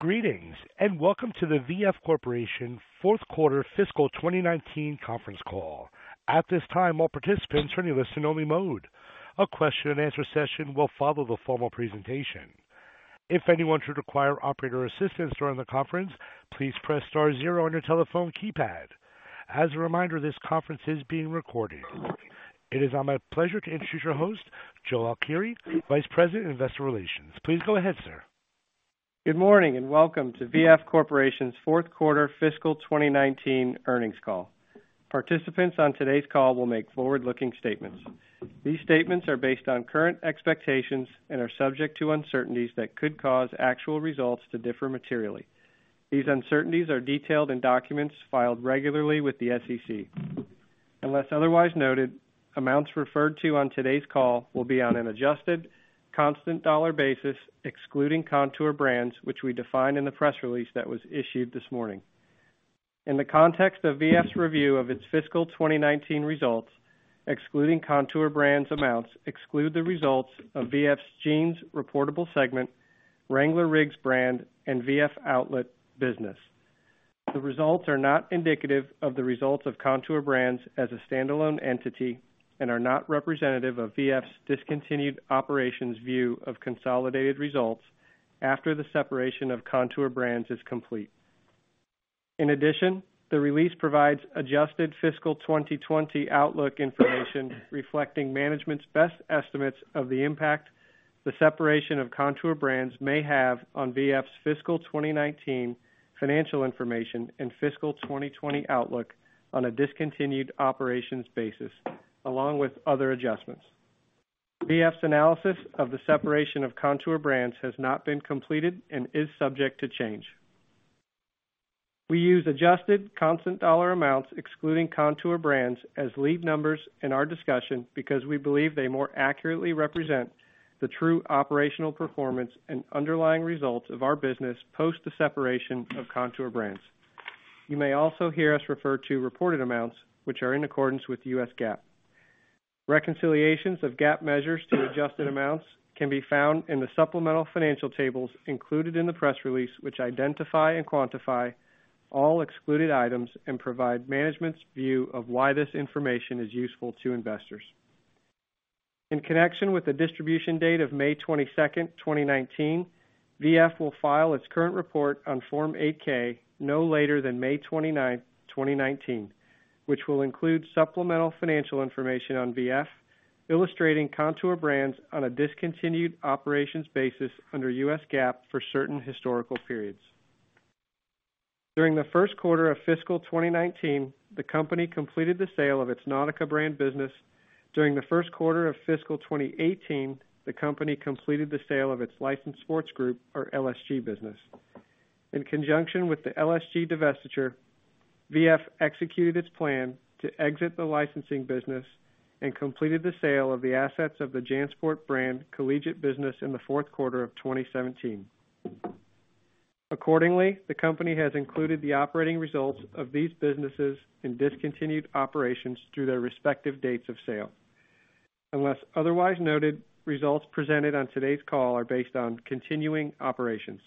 Greetings, and welcome to the VF Corporation fourth quarter fiscal 2019 conference call. At this time, all participants are in listen only mode. A question and answer session will follow the formal presentation. If anyone should require operator assistance during the conference, please press star zero on your telephone keypad. As a reminder, this conference is being recorded. It is now my pleasure to introduce your host, Joe Alkire, Vice President of Investor Relations. Please go ahead, sir. Good morning, and welcome to VF Corporation's fourth quarter fiscal 2019 earnings call. Participants on today's call will make forward-looking statements. These statements are based on current expectations and are subject to uncertainties that could cause actual results to differ materially. These uncertainties are detailed in documents filed regularly with the SEC. Unless otherwise noted, amounts referred to on today's call will be on an adjusted constant dollar basis excluding Kontoor Brands, which we define in the press release that was issued this morning. In the context of VF's review of its fiscal 2019 results, excluding Kontoor Brands amounts exclude the results of VF's jeans reportable segment, Wrangler RIGGS brand, and VF outlet business. The results are not indicative of the results of Kontoor Brands as a standalone entity and are not representative of VF's discontinued operations view of consolidated results after the separation of Kontoor Brands is complete. In addition, the release provides adjusted fiscal 2020 outlook information reflecting management's best estimates of the impact the separation of Kontoor Brands may have on VF's fiscal 2019 financial information and fiscal 2020 outlook on a discontinued operations basis, along with other adjustments. VF's analysis of the separation of Kontoor Brands has not been completed and is subject to change. We use adjusted constant dollar amounts excluding Kontoor Brands as lead numbers in our discussion because we believe they more accurately represent the true operational performance and underlying results of our business post the separation of Kontoor Brands. You may also hear us refer to reported amounts, which are in accordance with US GAAP. Reconciliations of GAAP measures to adjusted amounts can be found in the supplemental financial tables included in the press release, which identify and quantify all excluded items and provide management's view of why this information is useful to investors. In connection with the distribution date of May 22nd, 2019, VF will file its current report on Form 8-K no later than May 29th, 2019, which will include supplemental financial information on VF illustrating Kontoor Brands on a discontinued operations basis under US GAAP for certain historical periods. During the first quarter of fiscal 2019, the company completed the sale of its Nautica brand business. During the first quarter of fiscal 2018, the company completed the sale of its Licensed Sports Group, or LSG business. In conjunction with the LSG divestiture, VF executed its plan to exit the licensing business and completed the sale of the assets of the JanSport brand collegiate business in the fourth quarter of 2017. Accordingly, the company has included the operating results of these businesses in discontinued operations through their respective dates of sale. Unless otherwise noted, results presented on today's call are based on continuing operations.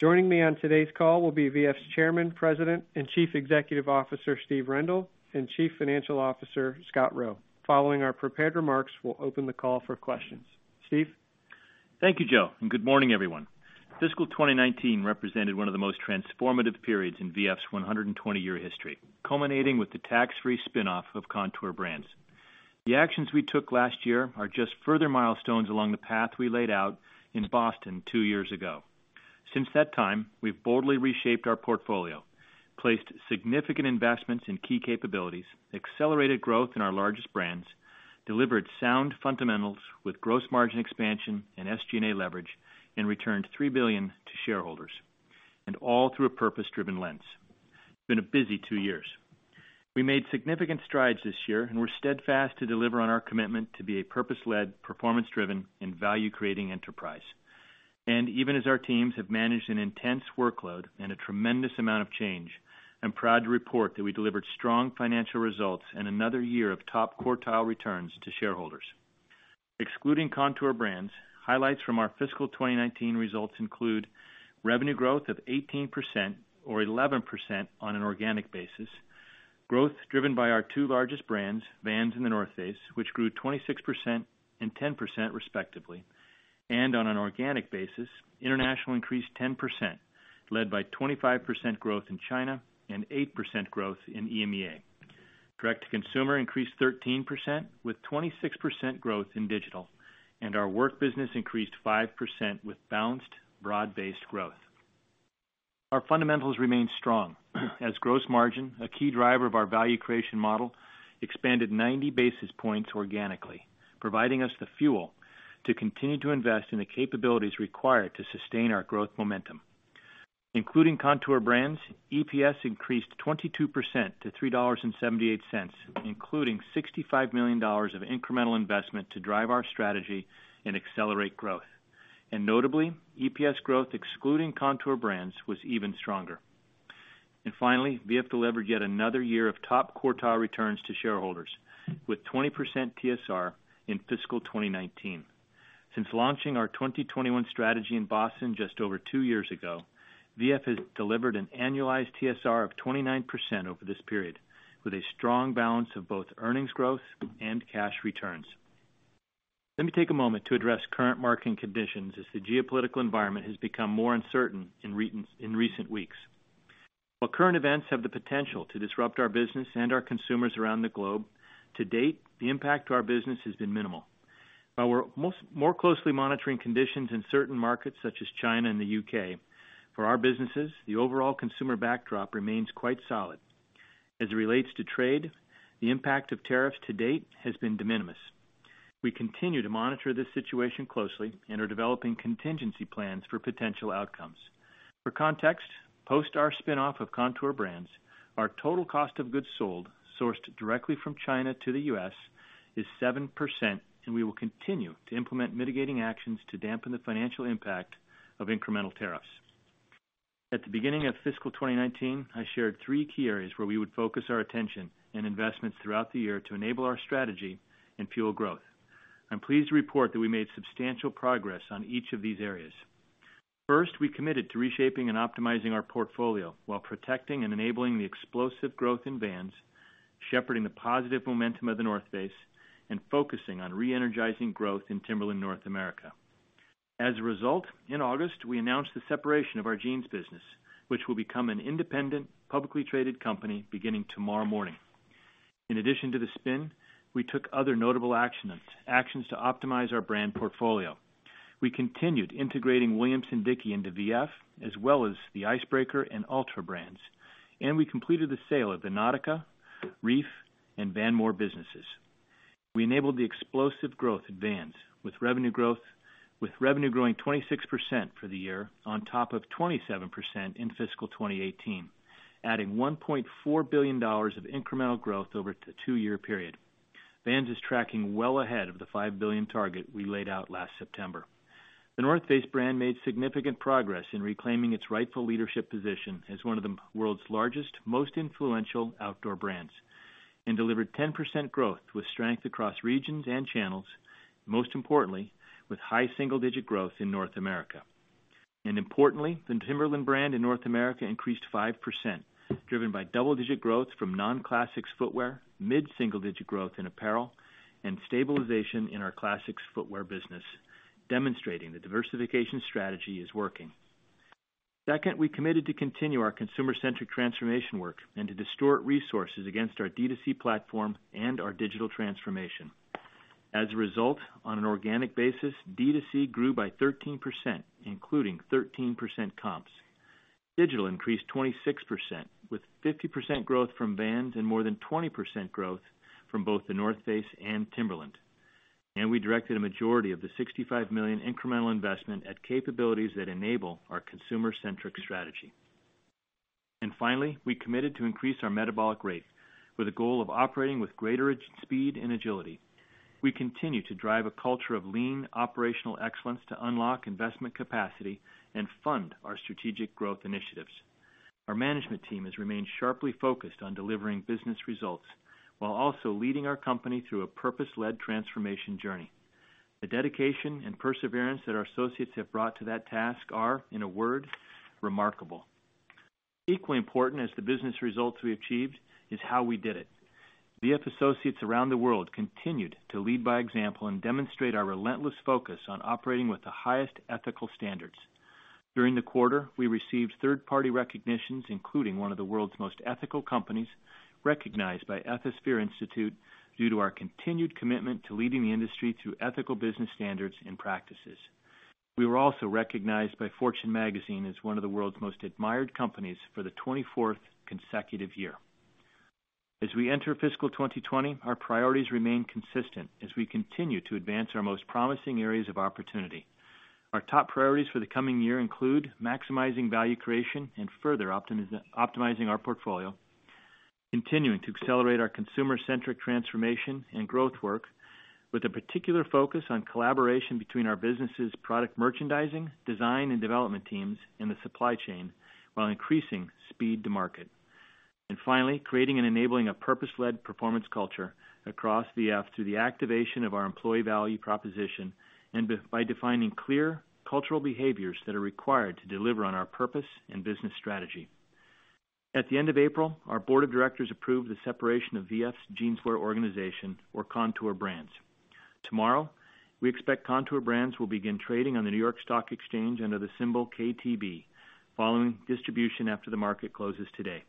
Joining me on today's call will be VF's Chairman, President, and Chief Executive Officer, Steve Rendle, and Chief Financial Officer, Scott Roe. Following our prepared remarks, we'll open the call for questions. Steve? Thank you, Joe, and good morning, everyone. Fiscal 2019 represented one of the most transformative periods in VF's 120-year history, culminating with the tax-free spinoff of Kontoor Brands. The actions we took last year are just further milestones along the path we laid out in Boston two years ago. Since that time, we've boldly reshaped our portfolio, placed significant investments in key capabilities, accelerated growth in our largest brands, delivered sound fundamentals with gross margin expansion and SG&A leverage, and returned $3 billion to shareholders, and all through a purpose-driven lens. It's been a busy two years. We made significant strides this year, we're steadfast to deliver on our commitment to be a purpose-led, performance-driven, and value-creating enterprise. Even as our teams have managed an intense workload and a tremendous amount of change, I'm proud to report that we delivered strong financial results and another year of top quartile returns to shareholders. Excluding Kontoor Brands, highlights from our fiscal 2019 results include revenue growth of 18%, or 11% on an organic basis. Growth driven by our two largest brands, Vans and The North Face, which grew 26% and 10% respectively. On an organic basis, international increased 10%, led by 25% growth in China and 8% growth in EMEA. Direct-to-consumer increased 13%, with 26% growth in digital. Our work business increased 5% with balanced broad-based growth. Our fundamentals remained strong as gross margin, a key driver of our value creation model, expanded 90 basis points organically, providing us the fuel to continue to invest in the capabilities required to sustain our growth momentum. Including Kontoor Brands, EPS increased 22% to $3.78, including $65 million of incremental investment to drive our strategy and accelerate growth. Notably, EPS growth excluding Kontoor Brands was even stronger. Finally, VF delivered yet another year of top-quartile returns to shareholders with 20% TSR in fiscal 2019. Since launching our 2021 strategy in Boston just over two years ago, VF has delivered an annualized TSR of 29% over this period, with a strong balance of both earnings growth and cash returns. Let me take a moment to address current market conditions as the geopolitical environment has become more uncertain in recent weeks. While current events have the potential to disrupt our business and our consumers around the globe, to date, the impact to our business has been minimal. While we're more closely monitoring conditions in certain markets such as China and the U.K., for our businesses, the overall consumer backdrop remains quite solid. As it relates to trade, the impact of tariffs to date has been de minimis. We continue to monitor this situation closely and are developing contingency plans for potential outcomes. For context, post our spin-off of Kontoor Brands, our total cost of goods sold sourced directly from China to the U.S. is 7%, and we will continue to implement mitigating actions to dampen the financial impact of incremental tariffs. At the beginning of fiscal 2019, I shared three key areas where we would focus our attention and investments throughout the year to enable our strategy and fuel growth. I'm pleased to report that we made substantial progress on each of these areas. We committed to reshaping and optimizing our portfolio while protecting and enabling the explosive growth in Vans, shepherding the positive momentum of The North Face, and focusing on re-energizing growth in Timberland North America. As a result, in August, we announced the separation of our jeans business, which will become an independent, publicly traded company beginning tomorrow morning. In addition to the spin, we took other notable actions to optimize our brand portfolio. We continued integrating Williamson-Dickie into VF, as well as the Icebreaker and Altra brands. We completed the sale of the Nautica, Reef, and Van Moer businesses. We enabled the explosive growth at Vans with revenue growing 26% for the year on top of 27% in fiscal 2018, adding $1.4 billion of incremental growth over the two-year period. Vans is tracking well ahead of the $5 billion target we laid out last September. The North Face brand made significant progress in reclaiming its rightful leadership position as one of the world's largest, most influential outdoor brands and delivered 10% growth with strength across regions and channels, most importantly, with high single-digit growth in North America. Importantly, the Timberland brand in North America increased 5%, driven by double-digit growth from non-classics footwear, mid-single-digit growth in apparel, and stabilization in our classics footwear business, demonstrating the diversification strategy is working. We committed to continue our consumer-centric transformation work and to distort resources against our D2C platform and our digital transformation. As a result, on an organic basis, D2C grew by 13%, including 13% comps. Digital increased 26%, with 50% growth from Vans and more than 20% growth from both The North Face and Timberland. We directed a majority of the $65 million incremental investment at capabilities that enable our consumer-centric strategy. Finally, we committed to increase our metabolic rate with a goal of operating with greater speed and agility. We continue to drive a culture of lean operational excellence to unlock investment capacity and fund our strategic growth initiatives. Our management team has remained sharply focused on delivering business results while also leading our company through a purpose-led transformation journey. The dedication and perseverance that our associates have brought to that task are, in a word, remarkable. Equally important as the business results we achieved is how we did it. VF associates around the world continued to lead by example and demonstrate our relentless focus on operating with the highest ethical standards. During the quarter, we received third-party recognitions, including one of the world's most ethical companies, recognized by Ethisphere Institute, due to our continued commitment to leading the industry through ethical business standards and practices. We were also recognized by Fortune Magazine as one of the world's most admired companies for the 24th consecutive year. As we enter fiscal 2020, our priorities remain consistent as we continue to advance our most promising areas of opportunity. Our top priorities for the coming year include maximizing value creation and further optimizing our portfolio, continuing to accelerate our consumer-centric transformation and growth work with a particular focus on collaboration between our businesses' product merchandising, design, and development teams in the supply chain, while increasing speed to market. Finally, creating and enabling a purpose-led performance culture across VF through the activation of our employee value proposition and by defining clear cultural behaviors that are required to deliver on our purpose and business strategy. At the end of April, our board of directors approved the separation of VF's jeanswear organization or Kontoor Brands. Tomorrow, we expect Kontoor Brands will begin trading on the New York Stock Exchange under the symbol KTB, following distribution after the market closes today.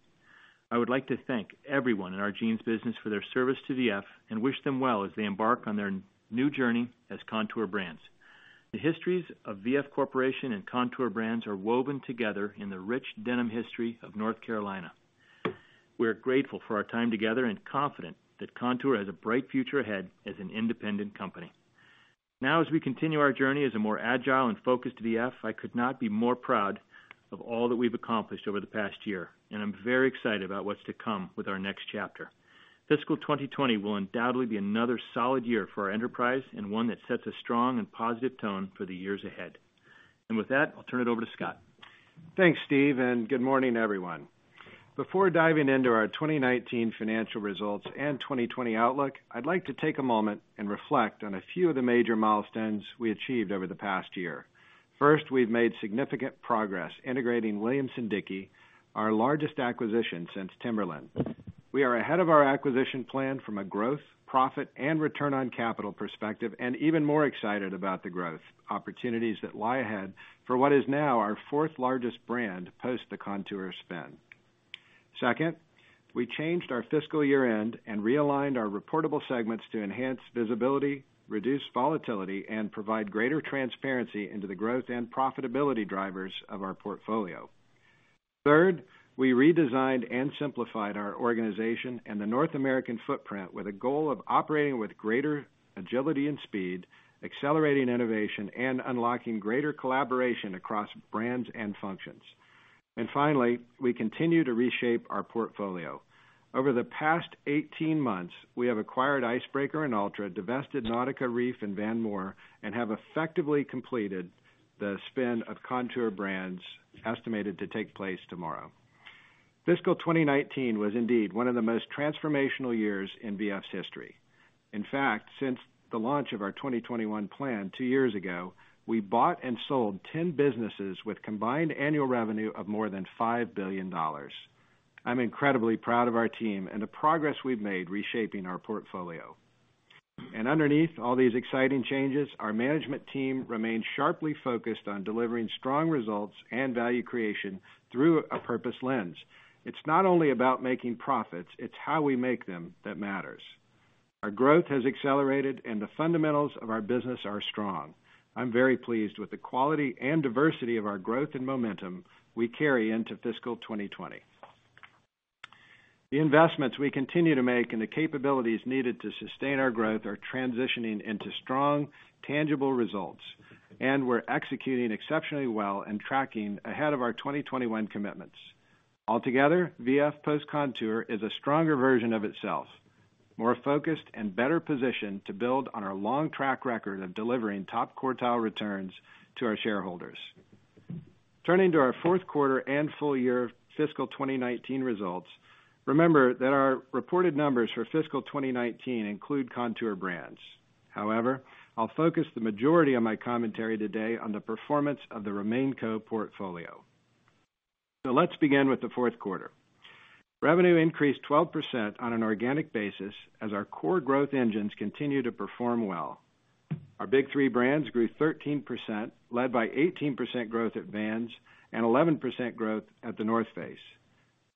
I would like to thank everyone in our jeans business for their service to VF and wish them well as they embark on their new journey as Kontoor Brands. The histories of VF Corporation and Kontoor Brands are woven together in the rich denim history of North Carolina. We are grateful for our time together and confident that Kontoor has a bright future ahead as an independent company. Now, as we continue our journey as a more agile and focused VF, I could not be more proud of all that we've accomplished over the past year, and I'm very excited about what's to come with our next chapter. Fiscal 2020 will undoubtedly be another solid year for our enterprise and one that sets a strong and positive tone for the years ahead. With that, I'll turn it over to Scott. Thanks, Steve, and good morning, everyone. Before diving into our 2019 financial results and 2020 outlook, I'd like to take a moment and reflect on a few of the major milestones we achieved over the past year. First, we've made significant progress integrating Williamson-Dickie, our largest acquisition since Timberland. We are ahead of our acquisition plan from a growth, profit, and return on capital perspective, and even more excited about the growth opportunities that lie ahead for what is now our fourth largest brand post the Kontoor spin. Second, we changed our fiscal year-end and realigned our reportable segments to enhance visibility, reduce volatility, and provide greater transparency into the growth and profitability drivers of our portfolio. Third, we redesigned and simplified our organization and the North American footprint with a goal of operating with greater agility and speed, accelerating innovation and unlocking greater collaboration across brands and functions. Finally, we continue to reshape our portfolio. Over the past 18 months, we have acquired Icebreaker and Altra, divested Nautica, Reef, and Van Moore, and have effectively completed the spin of Kontoor Brands, estimated to take place tomorrow. Fiscal 2019 was indeed one of the most transformational years in VF's history. In fact, since the launch of our 2021 plan two years ago, we bought and sold 10 businesses with combined annual revenue of more than $5 billion. I'm incredibly proud of our team and the progress we've made reshaping our portfolio. Underneath all these exciting changes, our management team remains sharply focused on delivering strong results and value creation through a purpose lens. It's not only about making profits, it's how we make them that matters. Our growth has accelerated, and the fundamentals of our business are strong. I'm very pleased with the quality and diversity of our growth and momentum we carry into FY 2020. The investments we continue to make and the capabilities needed to sustain our growth are transitioning into strong, tangible results, and we're executing exceptionally well and tracking ahead of our 2021 commitments. Altogether, VF post-Kontoor is a stronger version of itself. More focused and better positioned to build on our long track record of delivering top quartile returns to our shareholders. Turning to our fourth quarter and full year FY 2019 results, remember that our reported numbers for FY 2019 include Kontoor Brands. However, I'll focus the majority of my commentary today on the performance of the RemainCo portfolio. Let's begin with the fourth quarter. Revenue increased 12% on an organic basis as our core growth engines continue to perform well. Our big three brands grew 13%, led by 18% growth at Vans and 11% growth at The North Face.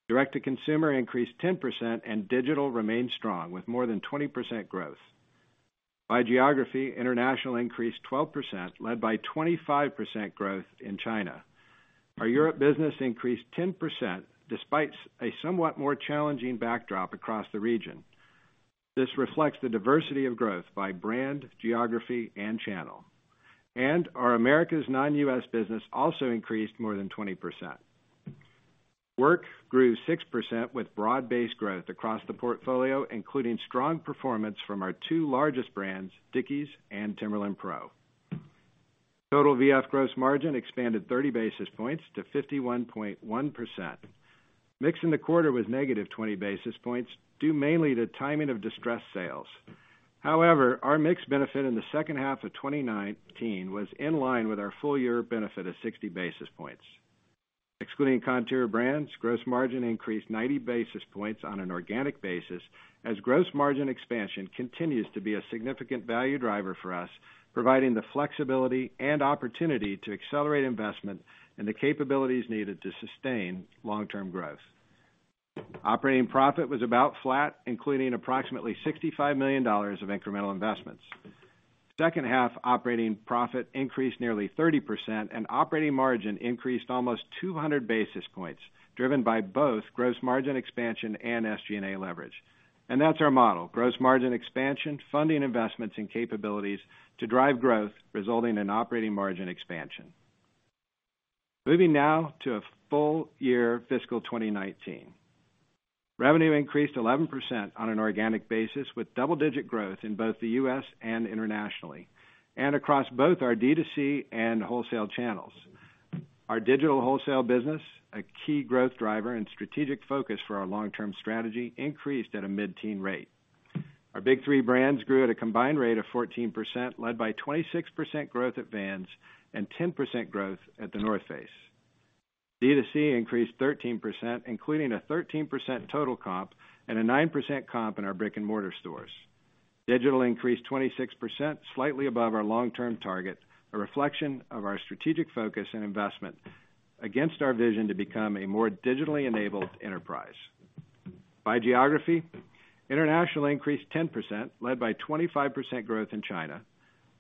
Direct-to-consumer increased 10%, and digital remained strong with more than 20% growth. By geography, international increased 12%, led by 25% growth in China. Our Europe business increased 10%, despite a somewhat more challenging backdrop across the region. This reflects the diversity of growth by brand, geography, and channel. Our Americas Non-U.S. business also increased more than 20%. Work grew 6% with broad-based growth across the portfolio, including strong performance from our two largest brands, Dickies and Timberland PRO. Total VF gross margin expanded 30 basis points to 51.1%. Mix in the quarter was negative 20 basis points, due mainly to timing of distressed sales. However, our mix benefit in the second half of 2019 was in line with our full-year benefit of 60 basis points. Excluding Kontoor Brands, gross margin increased 90 basis points on an organic basis, as gross margin expansion continues to be a significant value driver for us, providing the flexibility and opportunity to accelerate investment and the capabilities needed to sustain long-term growth. Operating profit was about flat, including approximately $65 million of incremental investments. Second half operating profit increased nearly 30%, and operating margin increased almost 200 basis points, driven by both gross margin expansion and SG&A leverage. That's our model, gross margin expansion, funding investments, and capabilities to drive growth, resulting in operating margin expansion. Moving now to a full year FY 2019. Revenue increased 11% on an organic basis, with double-digit growth in both the U.S. and internationally, and across both our D2C and wholesale channels. Our digital wholesale business, a key growth driver and strategic focus for our long-term strategy, increased at a mid-teen rate. Our big three brands grew at a combined rate of 14%, led by 26% growth at Vans and 10% growth at The North Face. D2C increased 13%, including a 13% total comp and a 9% comp in our brick-and-mortar stores. Digital increased 26%, slightly above our long-term target, a reflection of our strategic focus and investment against our vision to become a more digitally enabled enterprise. By geography, international increased 10%, led by 25% growth in China.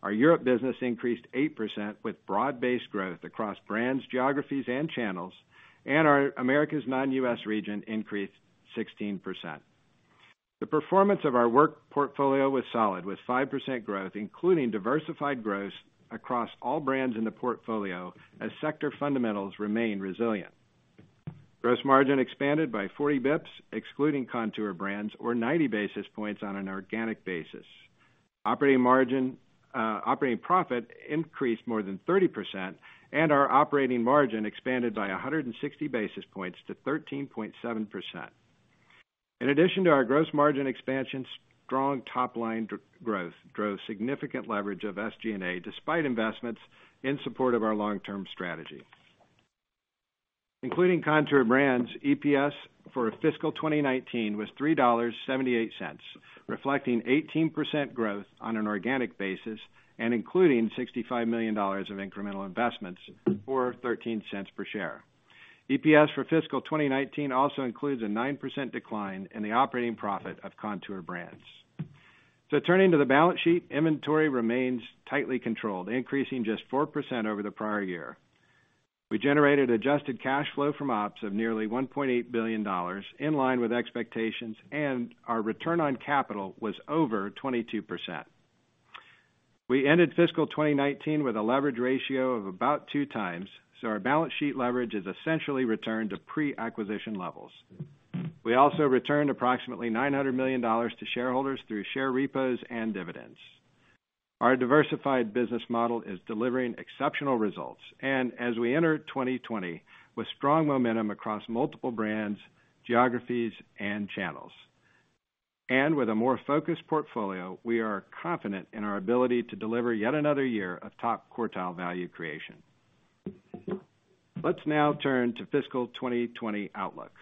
Our Europe business increased 8% with broad-based growth across brands, geographies, and channels, and our Americas Non-U.S. region increased 16%. The performance of our work portfolio was solid, with 5% growth, including diversified growth across all brands in the portfolio as sector fundamentals remain resilient. Gross margin expanded by 40 basis points, excluding Kontoor Brands, or 90 basis points on an organic basis. Operating profit increased more than 30%, and our operating margin expanded by 160 basis points to 13.7%. In addition to our gross margin expansion, strong top-line growth drove significant leverage of SG&A, despite investments in support of our long-term strategy. Including Kontoor Brands, EPS for fiscal 2019 was $3.78, reflecting 18% growth on an organic basis, and including $65 million of incremental investments or $0.13 per share. EPS for fiscal 2019 also includes a 9% decline in the operating profit of Kontoor Brands. Turning to the balance sheet, inventory remains tightly controlled, increasing just 4% over the prior year. We generated adjusted cash flow from ops of nearly $1.8 billion, in line with expectations, and our return on capital was over 22%. We ended fiscal 2019 with a leverage ratio of about two times, so our balance sheet leverage has essentially returned to pre-acquisition levels. We also returned approximately $900 million to shareholders through share repos and dividends. Our diversified business model is delivering exceptional results. As we enter 2020 with strong momentum across multiple brands, geographies, and channels, and with a more focused portfolio, we are confident in our ability to deliver yet another year of top-quartile value creation. Let's now turn to fiscal 2020 outlook.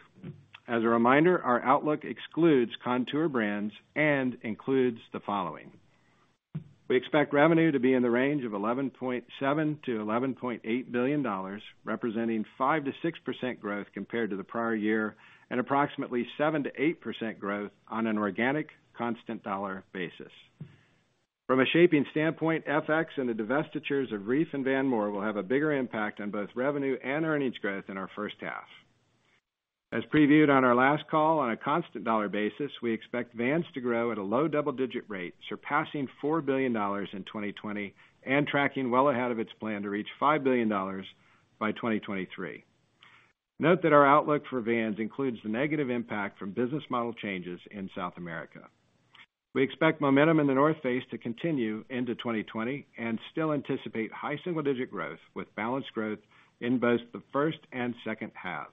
As a reminder, our outlook excludes Kontoor Brands and includes the following. We expect revenue to be in the range of $11.7 billion-$11.8 billion, representing 5%-6% growth compared to the prior year, and approximately 7%-8% growth on an organic constant dollar basis. From a shaping standpoint, FX and the divestitures of Reef and Van Moore will have a bigger impact on both revenue and earnings growth in our first half. As previewed on our last call, on a constant dollar basis, we expect Vans to grow at a low double-digit rate, surpassing $4 billion in 2020 and tracking well ahead of its plan to reach $5 billion by 2023. Note that our outlook for Vans includes the negative impact from business model changes in South America. We expect momentum in The North Face to continue into 2020 and still anticipate high single-digit growth with balanced growth in both the first and second halves.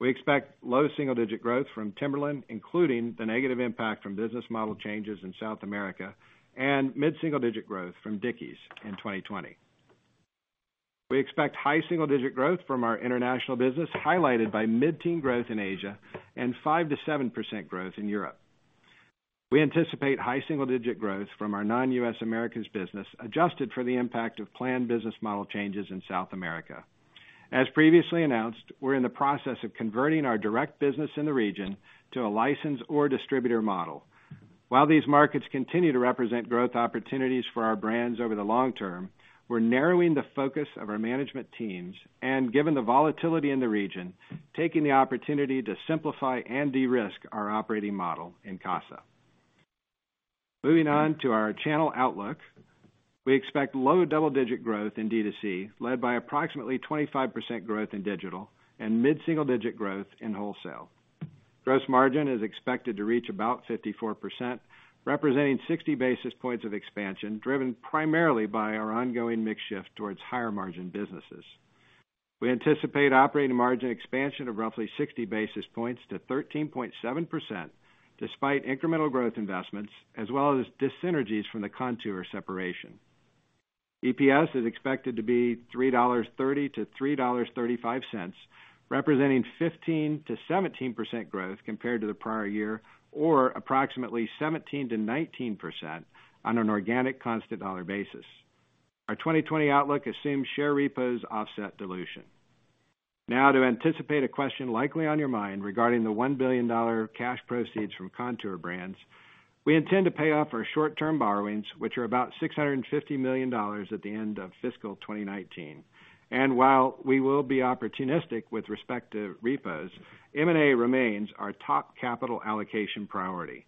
We expect low single-digit growth from Timberland, including the negative impact from business model changes in South America, and mid-single-digit growth from Dickies in 2020. We expect high single-digit growth from our international business, highlighted by mid-teen growth in Asia and 5%-7% growth in Europe. We anticipate high single-digit growth from our non-U.S. Americas business, adjusted for the impact of planned business model changes in South America. As previously announced, we're in the process of converting our direct business in the region to a licensed or distributor model. While these markets continue to represent growth opportunities for our brands over the long term, we're narrowing the focus of our management teams and, given the volatility in the region, taking the opportunity to simplify and de-risk our operating model in CASA. Moving on to our channel outlook. We expect low double-digit growth in D2C, led by approximately 25% growth in digital and mid-single-digit growth in wholesale. Gross margin is expected to reach about 54%, representing 60 basis points of expansion, driven primarily by our ongoing mix shift towards higher-margin businesses. We anticipate operating margin expansion of roughly 60 basis points to 13.7%, despite incremental growth investments as well as dis-synergies from the Kontoor separation. EPS is expected to be $3.30-$3.35, representing 15%-17% growth compared to the prior year, or approximately 17%-19% on an organic constant dollar basis. Our 2020 outlook assumes share repos offset dilution. Now to anticipate a question likely on your mind regarding the $1 billion cash proceeds from Kontoor Brands. We intend to pay off our short-term borrowings, which are about $650 million at the end of fiscal 2019. While we will be opportunistic with respect to repos, M&A remains our top capital allocation priority.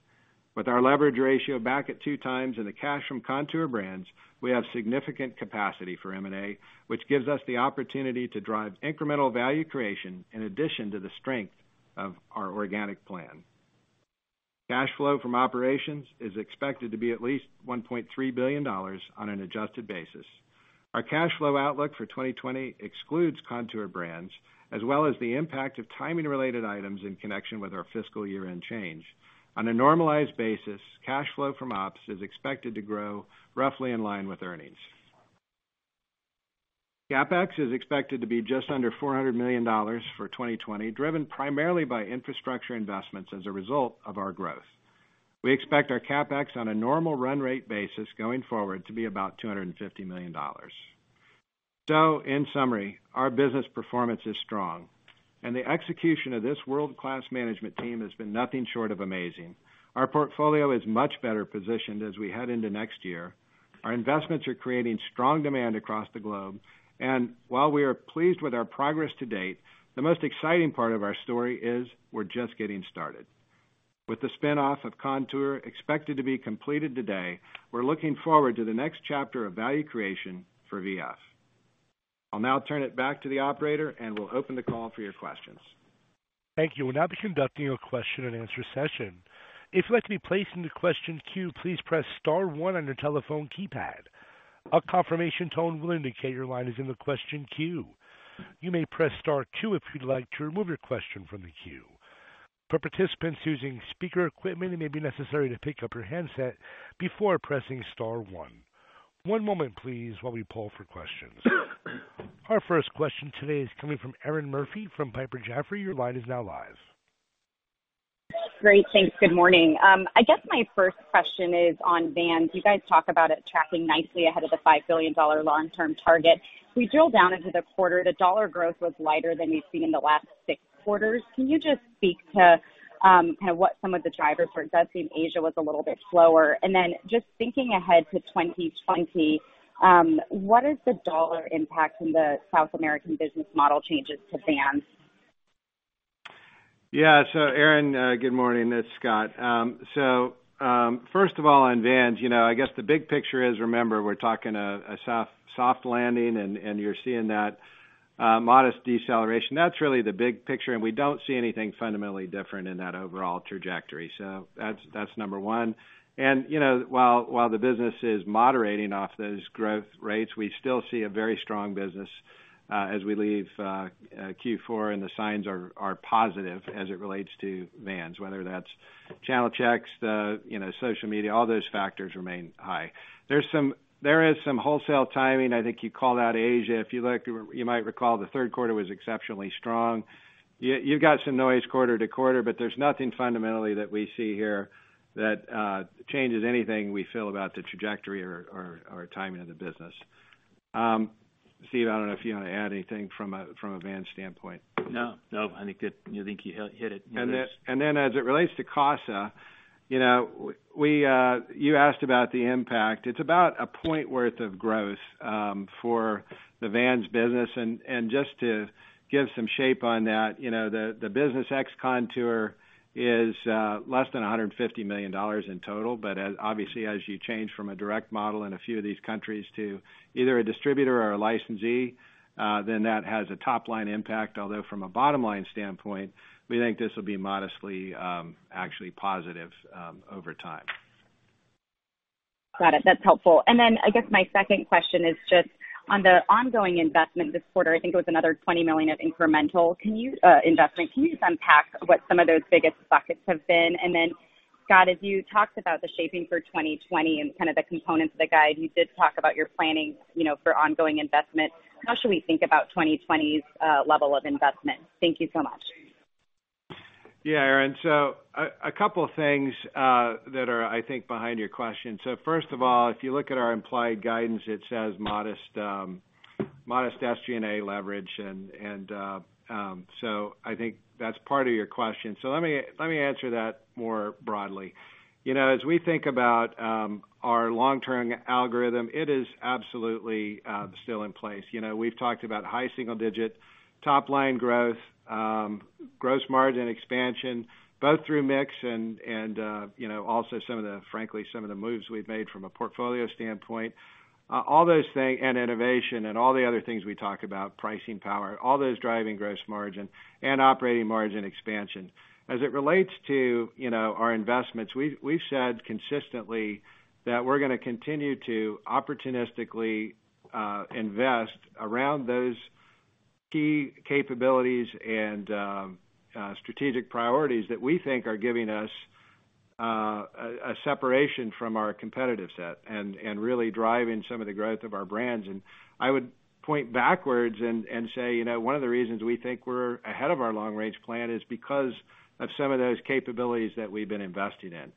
With our leverage ratio back at two times and the cash from Kontoor Brands, we have significant capacity for M&A, which gives us the opportunity to drive incremental value creation in addition to the strength of our organic plan. Cash flow from operations is expected to be at least $1.3 billion on an adjusted basis. Our cash flow outlook for 2020 excludes Kontoor Brands, as well as the impact of timing-related items in connection with our fiscal year-end change. On a normalized basis, cash flow from ops is expected to grow roughly in line with earnings. CapEx is expected to be just under $400 million for 2020, driven primarily by infrastructure investments as a result of our growth. We expect our CapEx on a normal run rate basis going forward to be about $250 million. In summary, our business performance is strong. The execution of this world-class management team has been nothing short of amazing. Our portfolio is much better positioned as we head into next year. Our investments are creating strong demand across the globe. While we are pleased with our progress to date, the most exciting part of our story is we're just getting started. With the spin-off of Kontoor expected to be completed today, we're looking forward to the next chapter of value creation for VF. I'll now turn it back to the operator, and we'll open the call for your questions. Thank you. We'll now be conducting a question and answer session. If you'd like to be placed in the question queue, please press star one on your telephone keypad. A confirmation tone will indicate your line is in the question queue. You may press star two if you'd like to remove your question from the queue. For participants using speaker equipment, it may be necessary to pick up your handset before pressing star one. One moment please while we pull for questions. Our first question today is coming from Erinn Murphy from Piper Jaffray. Your line is now live. Great. Thanks. Good morning. I guess my first question is on Vans. You guys talk about it tracking nicely ahead of the $5 billion long-term target. We drill down into the quarter, the dollar growth was lighter than we've seen in the last six quarters. Can you just speak to what some of the drivers were? It does seem Asia was a little bit slower. Just thinking ahead to 2020, what is the dollar impact from the South American business model changes to Vans? Erinn, good morning. It's Scott. First of all, on Vans, I guess the big picture is, remember, we're talking a soft landing, and you're seeing that modest deceleration. That's really the big picture, and we don't see anything fundamentally different in that overall trajectory. That's number one. While the business is moderating off those growth rates, we still see a very strong business as we leave Q4, and the signs are positive as it relates to Vans, whether that's channel checks, the social media, all those factors remain high. There is some wholesale timing. I think you called out Asia. If you like, you might recall the third quarter was exceptionally strong. You've got some noise quarter to quarter, there's nothing fundamentally that we see here that changes anything we feel about the trajectory or timing of the business. Steve, I don't know if you want to add anything from a Vans standpoint. No. I think you hit it. As it relates to CASA, you asked about the impact. It's about a point worth of growth for the Vans business. Just to give some shape on that, the business ex Kontoor is less than $150 million in total. Obviously as you change from a direct model in a few of these countries to either a distributor or a licensee, that has a top-line impact. Although from a bottom-line standpoint, we think this will be modestly actually positive over time. Got it. That's helpful. I guess my second question is just on the ongoing investment this quarter. I think it was another $20 million of incremental investment. Can you just unpack what some of those biggest buckets have been? Scott, as you talked about the shaping for 2020 and kind of the components of the guide, you did talk about your planning for ongoing investment. How should we think about 2020's level of investment? Thank you so much. Yeah, Erinn. A couple of things that are, I think, behind your question. First of all, if you look at our implied guidance, it says modest SG&A leverage, and so I think that's part of your question. Let me answer that more broadly. As we think about our long-term algorithm, it is absolutely still in place. We've talked about high single digit top-line growth, gross margin expansion, both through mix and also frankly some of the moves we've made from a portfolio standpoint. All those things, and innovation, and all the other things we talk about, pricing power, all those driving gross margin and operating margin expansion. As it relates to our investments, we've said consistently that we're going to continue to opportunistically invest around those key capabilities and strategic priorities that we think are giving us a separation from our competitive set and really driving some of the growth of our brands. I would point backwards and say one of the reasons we think we're ahead of our long range plan is because of some of those capabilities that we've been investing in.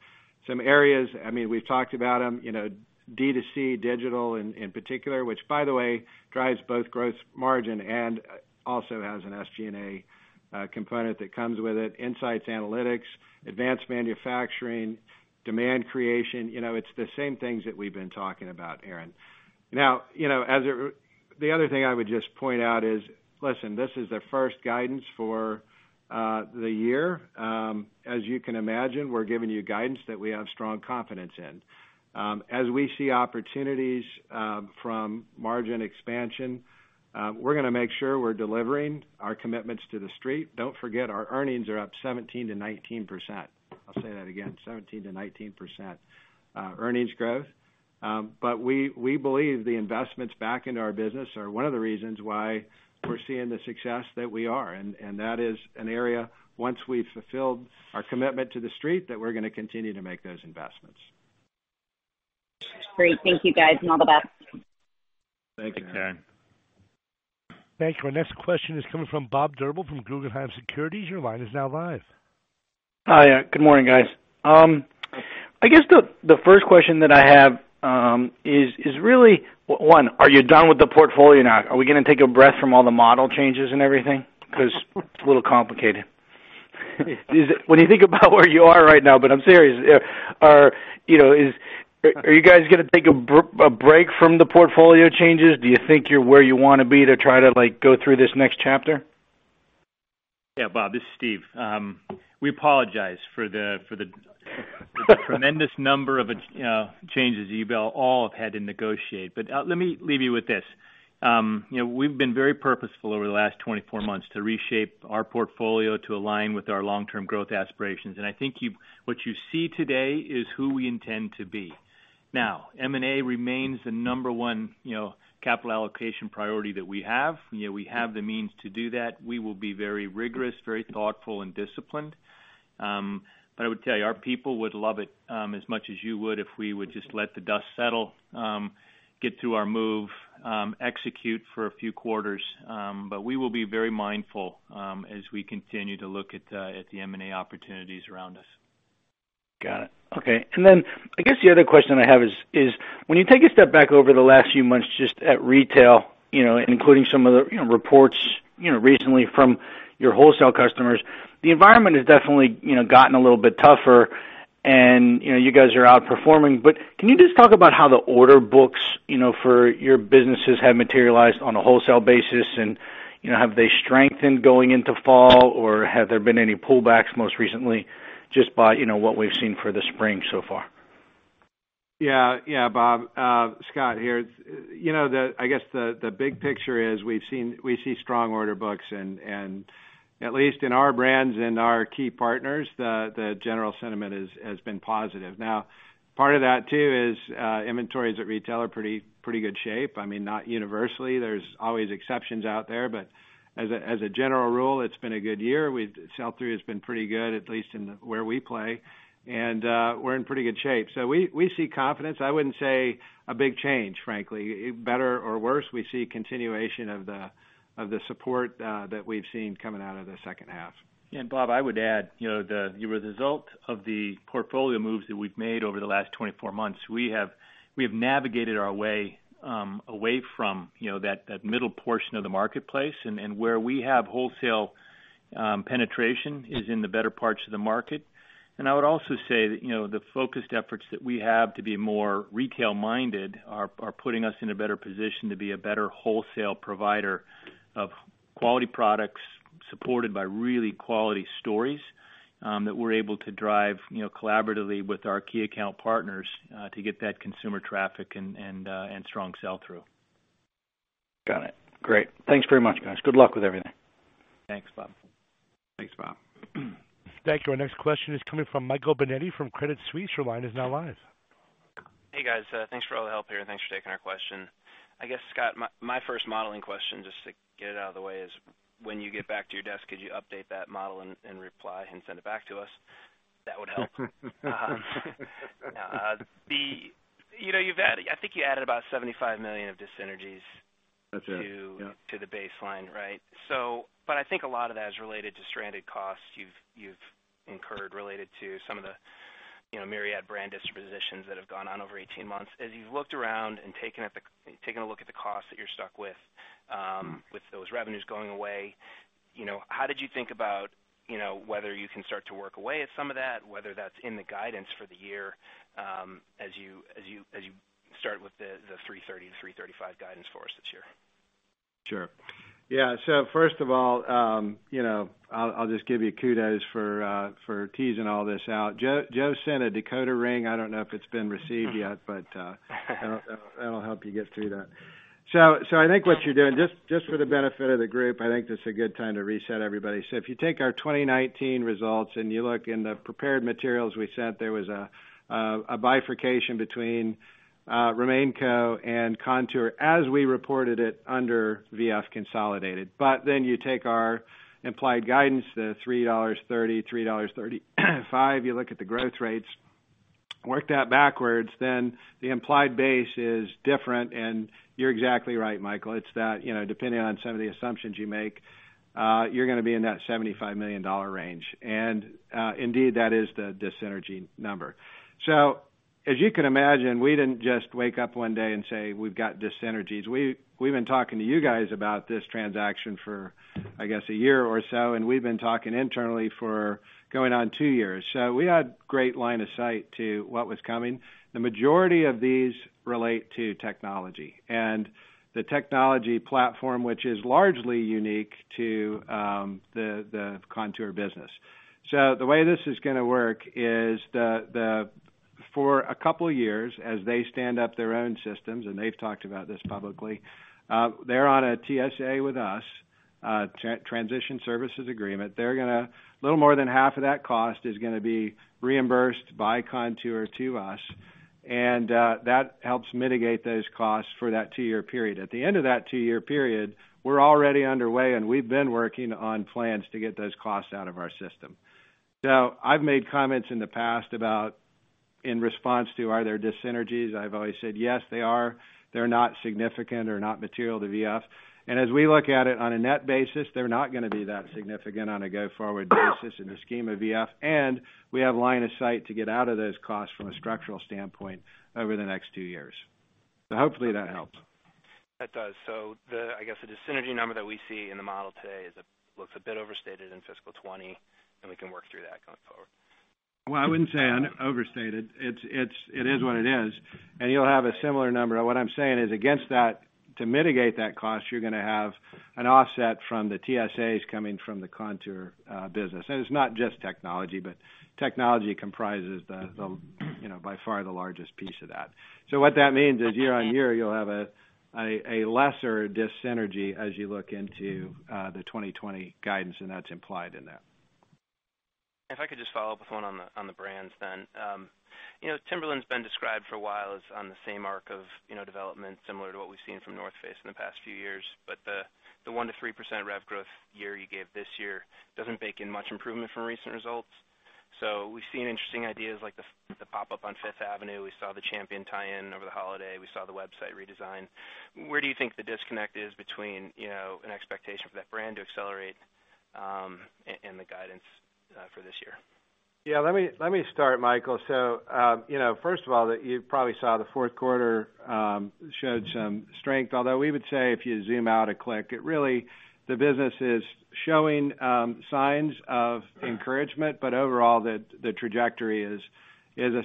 Some areas, we've talked about them, D2C digital in particular, which by the way, drives both gross margin and also has an SG&A component that comes with it, insights analytics, advanced manufacturing, demand creation. It's the same things that we've been talking about, Erin. The other thing I would just point out is, listen, this is the first guidance for the year. As you can imagine, we're giving you guidance that we have strong confidence in. As we see opportunities from margin expansion, we're going to make sure we're delivering our commitments to the Street. Don't forget our earnings are up 17%-19%. I'll say that again, 17%-19% earnings growth. We believe the investments back into our business are one of the reasons why we're seeing the success that we are. That is an area, once we've fulfilled our commitment to the Street, that we're going to continue to make those investments. Great. Thank you guys, and all the best. Thank you. Thanks. Thank you. Our next question is coming from Bob Drbul from Guggenheim Securities. Your line is now live. Hi. Good morning, guys. I guess the first question that I have is really, one, are you done with the portfolio now? Are we going to take a breath from all the model changes and everything? It's a little complicated. When you think about where you are right now, I'm serious. Are you guys going to take a break from the portfolio changes? Do you think you're where you want to be to try to go through this next chapter? Yeah, Bob, this is Steve. We apologize for the tremendous number of changes you've all have had to negotiate. Let me leave you with this. We've been very purposeful over the last 24 months to reshape our portfolio to align with our long-term growth aspirations. I think what you see today is who we intend to be. Now, M&A remains the number one capital allocation priority that we have. We have the means to do that. We will be very rigorous, very thoughtful, and disciplined. I would tell you, our people would love it, as much as you would, if we would just let the dust settle, get through our move, execute for a few quarters. We will be very mindful as we continue to look at the M&A opportunities around us. Got it. Okay. I guess the other question I have is, when you take a step back over the last few months, just at retail, including some of the reports recently from your wholesale customers. The environment has definitely gotten a little bit tougher and you guys are outperforming. Can you just talk about how the order books for your businesses have materialized on a wholesale basis? Have they strengthened going into fall or have there been any pullbacks most recently just by what we've seen for the spring so far? Bob. Scott here. I guess the big picture is we see strong order books and at least in our brands and our key partners, the general sentiment has been positive. Part of that too is inventories at retail are in pretty good shape. Not universally, there's always exceptions out there, but as a general rule, it's been a good year. Sell-through has been pretty good, at least where we play, and we're in pretty good shape. We see confidence. I wouldn't say a big change, frankly, better or worse. We see a continuation of the support that we've seen coming out of the second half. Bob, I would add, the result of the portfolio moves that we've made over the last 24 months. We have navigated our way away from that middle portion of the marketplace, where we have wholesale penetration is in the better parts of the market. I would also say that the focused efforts that we have to be more retail-minded are putting us in a better position to be a better wholesale provider of quality products supported by really quality stories that we're able to drive collaboratively with our key account partners to get that consumer traffic and strong sell-through. Got it. Great. Thanks very much, guys. Good luck with everything. Thanks, Bob. Thanks, Bob. Thank you. Our next question is coming from Michael Binetti from Credit Suisse. Your line is now live. Hey, guys. Thanks for all the help here, and thanks for taking our question. I guess, Scott, my first modeling question, just to get it out of the way, is when you get back to your desk, could you update that model and reply and send it back to us? That would help. I think you added about $75 million of dyssynergies. That's right. Yep to the baseline, right? I think a lot of that is related to stranded costs you've incurred related to some of the myriad brand dispositions that have gone on over 18 months. As you've looked around and taken a look at the costs that you're stuck with those revenues going away, how did you think about whether you can start to work away at some of that, whether that's in the guidance for the year as you start with the $330-$335 guidance for us this year? Sure. Yeah. First of all, I'll just give you kudos for teasing all this out. Joe sent a decoder ring. I don't know if it's been received yet, that'll help you get through that. I think what you're doing, just for the benefit of the group, I think this is a good time to reset everybody. If you take our 2019 results and you look in the prepared materials we sent, there was a bifurcation between RemainCo and Kontoor as we reported it under VF consolidated. You take our implied guidance, the $330-$335, you look at the growth rates, work that backwards, the implied base is different, and you're exactly right, Michael. It's that depending on some of the assumptions you make, you're going to be in that $75 million range. Indeed, that is the dyssynergy number. As you can imagine, we didn't just wake up one day and say we've got dyssynergies. We've been talking to you guys about this transaction for, I guess, a year or so, and we've been talking internally for going on two years. We had great line of sight to what was coming. The majority of these relate to technology and the technology platform, which is largely unique to the Kontoor business. The way this is going to work is for a couple of years, as they stand up their own systems, and they've talked about this publicly, they're on a TSA with us, transition services agreement. A little more than half of that cost is going to be reimbursed by Kontoor to us, and that helps mitigate those costs for that two-year period. At the end of that two-year period, we're already underway, and we've been working on plans to get those costs out of our system. I've made comments in the past about in response to, are there dyssynergies? I've always said, yes, they are. They're not significant. They're not material to VF. As we look at it on a net basis, they're not going to be that significant on a go-forward basis in the scheme of VF. We have line of sight to get out of those costs from a structural standpoint over the next two years. Hopefully that helps. That does. I guess the dis-synergy number that we see in the model today looks a bit overstated in fiscal 2020, and we can work through that going forward. Well, I wouldn't say overstated. It is what it is. You'll have a similar number. What I'm saying is against that, to mitigate that cost, you're going to have an offset from the TSAs coming from the Kontoor business. It's not just technology, but technology comprises by far the largest piece of that. What that means is year-on-year, you'll have a lesser dis-synergy as you look into the 2020 guidance, and that's implied in that. If I could just follow up with one on the brands then. Timberland's been described for a while as on the same arc of development, similar to what we've seen from North Face in the past few years. The 1%-3% rev growth year you gave this year doesn't bake in much improvement from recent results. We've seen interesting ideas like the pop-up on Fifth Avenue. We saw the Champion tie-in over the holiday. We saw the website redesign. Where do you think the disconnect is between an expectation for that brand to accelerate, and the guidance for this year? Yeah. Let me start, Michael. First of all, you probably saw the fourth quarter showed some strength, although we would say if you zoom out a click, the business is showing signs of encouragement. Overall, the trajectory is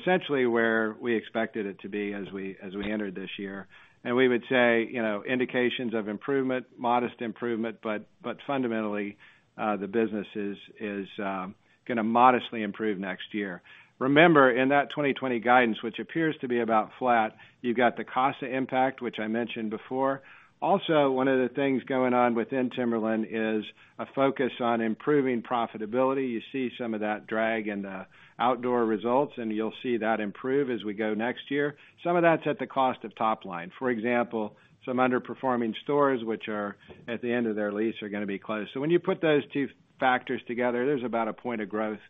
essentially where we expected it to be as we entered this year. We would say, indications of improvement, modest improvement, but fundamentally, the business is going to modestly improve next year. Remember, in that 2020 guidance, which appears to be about flat, you've got the CASA impact, which I mentioned before. Also, one of the things going on within Timberland is a focus on improving profitability. You see some of that drag in the outdoor results, and you'll see that improve as we go next year. Some of that's at the cost of top line. For example, some underperforming stores, which are at the end of their lease, are going to be closed. When you put those two factors together, there's about a point of growth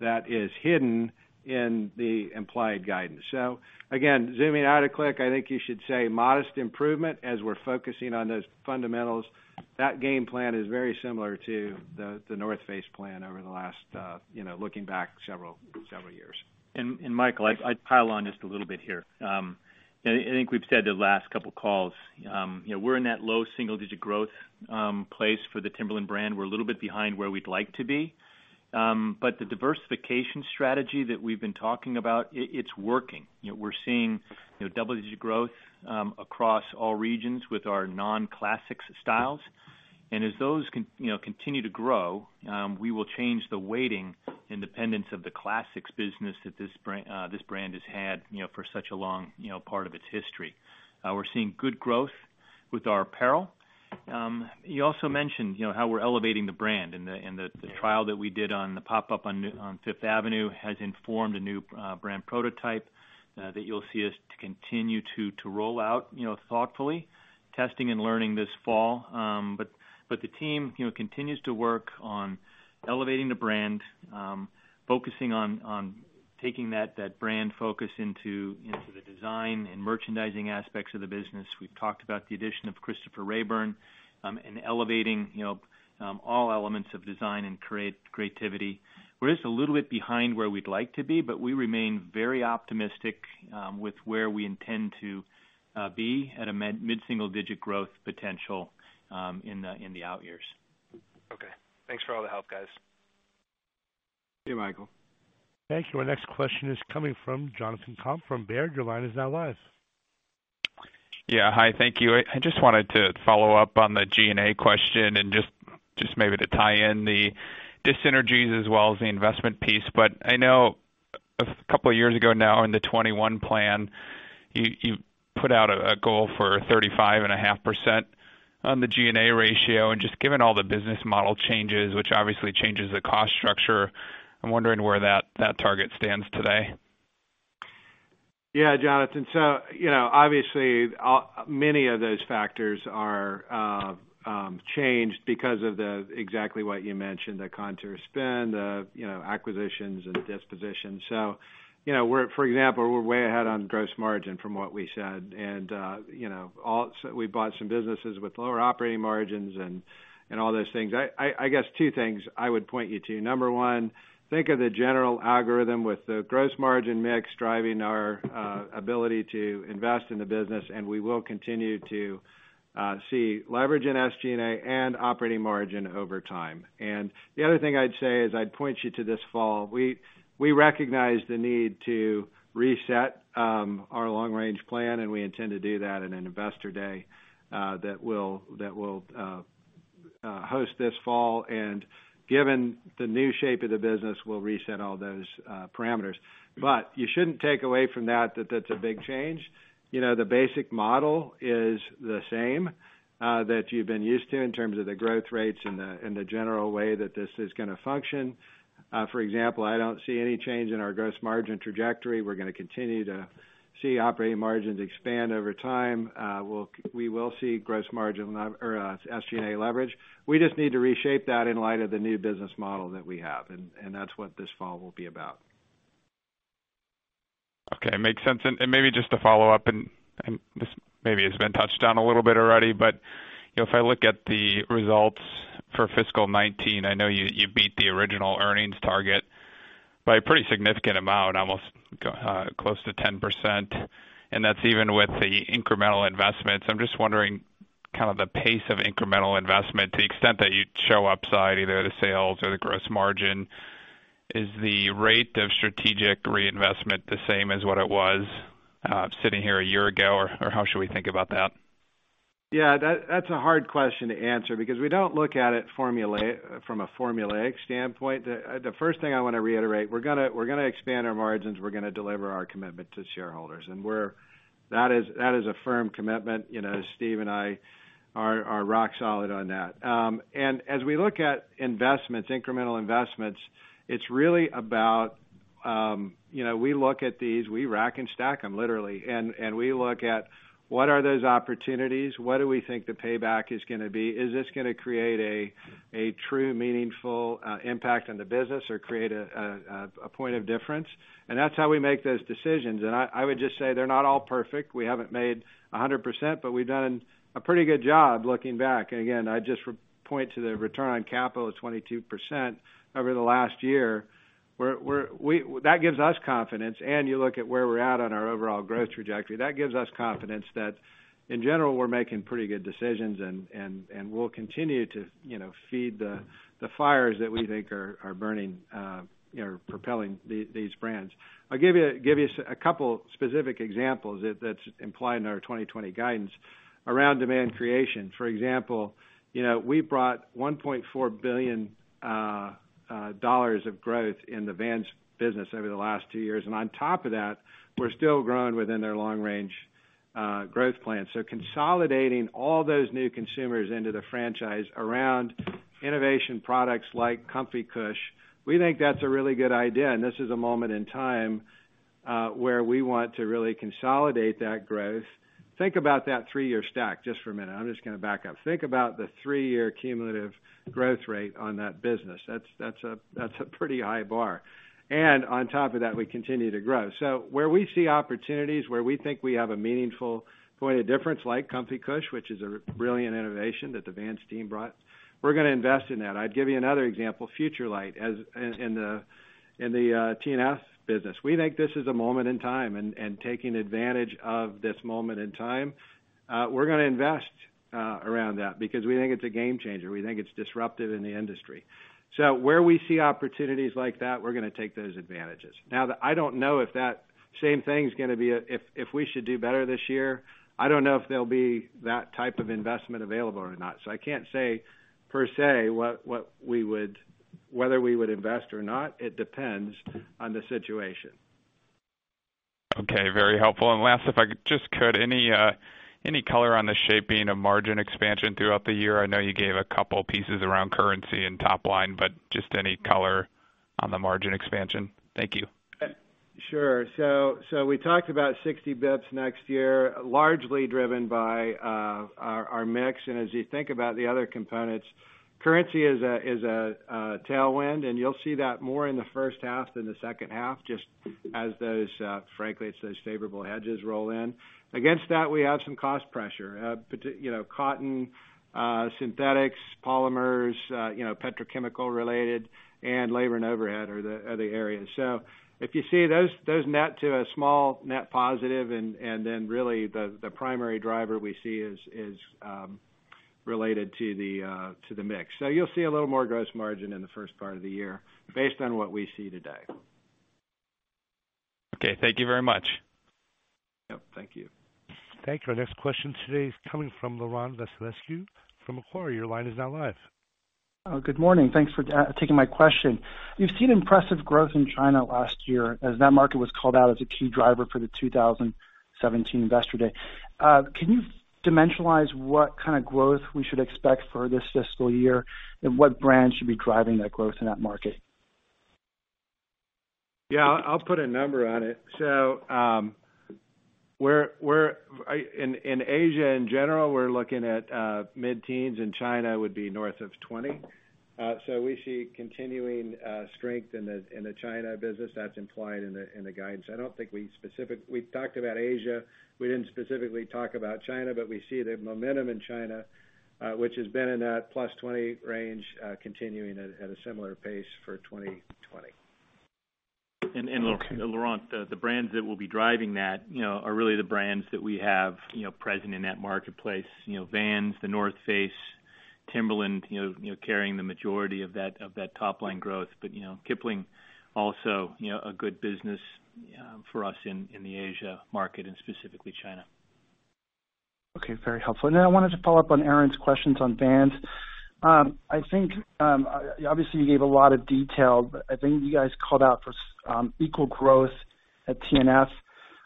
that is hidden in the implied guidance. Again, zooming out a click, I think you should say modest improvement as we're focusing on those fundamentals. That game plan is very similar to The North Face plan looking back several years. Michael, I'd pile on just a little bit here. I think we've said the last couple of calls. We're in that low single-digit growth place for the Timberland brand. We're a little bit behind where we'd like to be. The diversification strategy that we've been talking about, it's working. We're seeing double-digit growth across all regions with our non-classics styles. As those continue to grow, we will change the weighting and dependence of the classics business that this brand has had for such a long part of its history. We're seeing good growth with our apparel. You also mentioned how we're elevating the brand, and the trial that we did on the pop-up on Fifth Avenue has informed a new brand prototype that you'll see us to continue to roll out thoughtfully, testing and learning this fall. The team continues to work on elevating the brand, focusing on taking that brand focus into the design and merchandising aspects of the business. We've talked about the addition of Christopher Raeburn and elevating all elements of design and creativity. We're just a little bit behind where we'd like to be, we remain very optimistic with where we intend to be at a mid-single-digit growth potential in the out years. Okay. Thanks for all the help, guys. See you, Michael. Thank you. Our next question is coming from Jonathan Komp from Baird. Your line is now live. Yeah. Hi, thank you. I just wanted to follow up on the G&A question and just maybe to tie in the dis-synergies as well as the investment piece. I know a couple of years ago now in the 2021 plan, you put out a goal for 35.5% on the G&A ratio. Just given all the business model changes, which obviously changes the cost structure, I'm wondering where that target stands today. Yeah, Jonathan. Obviously, many of those factors are changed because of exactly what you mentioned, the Kontoor spend, the acquisitions and dispositions. For example, we're way ahead on gross margin from what we said. We bought some businesses with lower operating margins and all those things. I guess two things I would point you to. Number one, think of the general algorithm with the gross margin mix driving our ability to invest in the business, and we will continue to see leverage in SG&A and operating margin over time. The other thing I'd say is I'd point you to this fall. We recognize the need to reset our long-range plan, and we intend to do that in an investor day that we'll host this fall. Given the new shape of the business, we'll reset all those parameters. You shouldn't take away from that that's a big change. The basic model is the same that you've been used to in terms of the growth rates and the general way that this is going to function. For example, I don't see any change in our gross margin trajectory. We're going to continue to see operating margins expand over time. We will see gross margin or SG&A leverage. We just need to reshape that in light of the new business model that we have, and that's what this fall will be about. Okay. Makes sense. Maybe just to follow up, this maybe has been touched on a little bit already, if I look at the results for fiscal 2019, I know you beat the original earnings target by a pretty significant amount, almost close to 10%. That's even with the incremental investments. I'm just wondering the pace of incremental investment to the extent that you'd show upside, either the sales or the gross margin. Is the rate of strategic reinvestment the same as what it was sitting here a year ago? How should we think about that? That's a hard question to answer because we don't look at it from a formulaic standpoint. The first thing I want to reiterate, we're going to expand our margins. We're going to deliver our commitment to shareholders. That is a firm commitment. Steve and I are rock solid on that. As we look at incremental investments, we look at these, we rack and stack them literally, and we look at what are those opportunities? What do we think the payback is going to be? Is this going to create a true, meaningful impact on the business or create a point of difference? That's how we make those decisions. I would just say they're not all perfect. We haven't made 100%, but we've done a pretty good job looking back. Again, I'd just point to the return on capital of 22% over the last year. That gives us confidence. You look at where we're at on our overall growth trajectory. That gives us confidence that in general, we're making pretty good decisions, and we'll continue to feed the fires that we think are burning, propelling these brands. I'll give you a couple specific examples that's implied in our 2020 guidance around demand creation. For example, we brought $1.4 billion of growth in the Vans business over the last two years. On top of that, we're still growing within their long-range growth plan. Consolidating all those new consumers into the franchise around innovation products like ComfyCush, we think that's a really good idea, this is a moment in time where we want to really consolidate that growth. Think about that three-year stack just for a minute. I'm just going to back up. Think about the three-year cumulative growth rate on that business. That's a pretty high bar. On top of that, we continue to grow. Where we see opportunities, where we think we have a meaningful point of difference, like ComfyCush, which is a brilliant innovation that the Vans team brought, we're going to invest in that. I'd give you another example, Futurelight in the TNF business. We think this is a moment in time, and taking advantage of this moment in time, we're going to invest around that because we think it's a game changer. We think it's disruptive in the industry. Where we see opportunities like that, we're going to take those advantages. Now, I don't know if that same thing if we should do better this year, I don't know if there'll be that type of investment available or not. I can't say per se, whether we would invest or not. It depends on the situation. Okay. Very helpful. Last, if I just could, any color on the shaping of margin expansion throughout the year? I know you gave a couple pieces around currency and top line, just any color on the margin expansion. Thank you. Sure. We talked about 60 basis points next year, largely driven by our mix. As you think about the other components, currency is a tailwind, and you'll see that more in the first half than the second half, just as those, frankly, it's those favorable hedges roll in. Against that, we have some cost pressure. Cotton, synthetics, polymers, petrochemical related, and labor and overhead are the areas. If you see those net to a small net positive, really the primary driver we see is related to the mix. You'll see a little more gross margin in the first part of the year based on what we see today. Okay. Thank you very much. Yep. Thank you. Thank you. Our next question today is coming from Laurent Vasilescu from Macquarie. Your line is now live. Good morning. Thanks for taking my question. We've seen impressive growth in China last year as that market was called out as a key driver for the 2017 Investor Day. Can you dimensionalize what kind of growth we should expect for this fiscal year, and what brands should be driving that growth in that market? I'll put a number on it. In Asia, in general, we're looking at mid-teens, and China would be north of 20. We see continuing strength in the China business that's implied in the guidance. I don't think we specifically talked about Asia. We didn't specifically talk about China, but we see the momentum in China, which has been in that +20 range, continuing at a similar pace for 2020. Okay. Laurent, the brands that will be driving that are really the brands that we have present in that marketplace. Vans, The North Face, Timberland carrying the majority of that top-line growth. Kipling, also a good business for us in the Asia market and specifically China. Okay. Very helpful. I wanted to follow up on Erinn's questions on Vans. I think, obviously, you gave a lot of detail, but I think you guys called out for equal growth at TNF.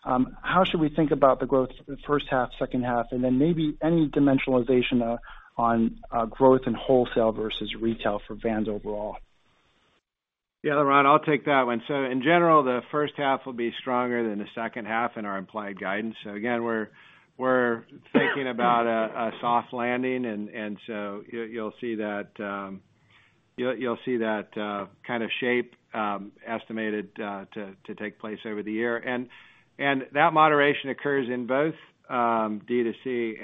How should we think about the growth for the first half, second half, and then maybe any dimensionalization on growth in wholesale versus retail for Vans overall? Laurent, I'll take that one. In general, the first half will be stronger than the second half in our implied guidance. Again, we're thinking about a soft landing, and so you'll see that kind of shape estimated to take place over the year. That moderation occurs in both D2C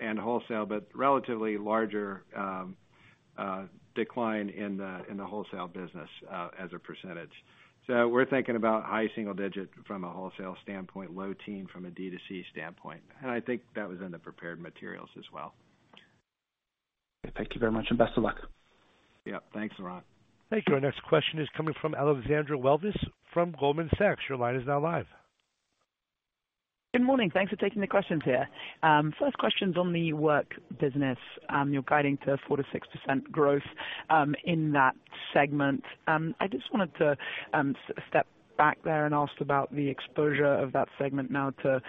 and wholesale, but relatively larger decline in the wholesale business as a percentage. We're thinking about high single digit from a wholesale standpoint, low teen from a D2C standpoint. I think that was in the prepared materials as well. Thank you very much, and best of luck. Yeah, thanks, Laurent. Thank you. Our next question is coming from Alexandra Walvis from Goldman Sachs. Your line is now live. Good morning. Thanks for taking the questions here. First question's on the work business. You're guiding to 4%-6% growth in that segment. I just wanted to step back there and ask about the exposure of that segment now to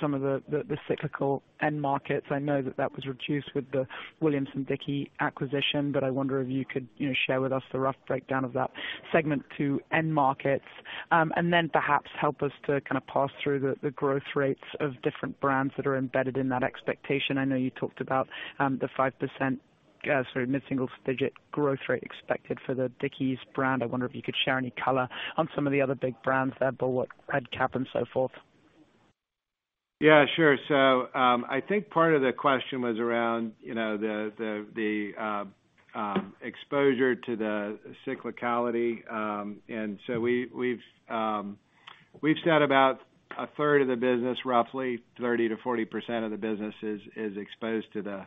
some of the cyclical end markets. I know that that was reduced with the Williamson-Dickie acquisition, but I wonder if you could share with us the rough breakdown of that segment to end markets. Then perhaps help us to kind of parse through the growth rates of different brands that are embedded in that expectation. I know you talked about the mid-single digit growth rate expected for the Dickies brand. I wonder if you could share any color on some of the other big brands there, Bulwark, Red Kap and so forth. I think part of the question was around the exposure to the cyclicality. We've said about a third of the business, roughly 30%-40% of the business is exposed to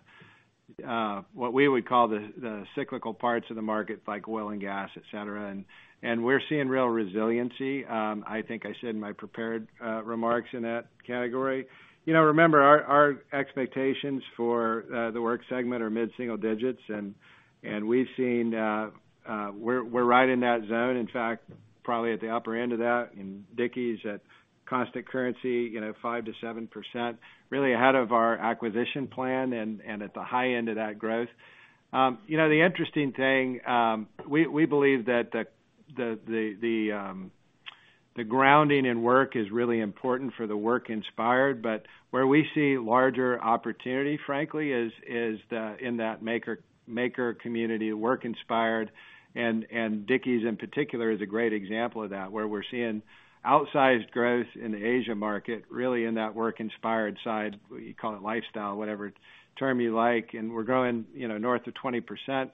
what we would call the cyclical parts of the market, like oil and gas, et cetera. We're seeing real resiliency. I think I said in my prepared remarks in that category. Remember, our expectations for the work segment are mid-single digits, and we're right in that zone. In fact, probably at the upper end of that. Dickies at constant currency, 5%-7%, really ahead of our acquisition plan and at the high end of that growth. The interesting thing, we believe that the grounding in work is really important for the work inspired. Where we see larger opportunity, frankly, is in that maker community, work inspired. Dickies in particular is a great example of that, where we're seeing outsized growth in the Asia market, really in that work inspired side, you call it lifestyle, whatever term you like. We're growing north of 20%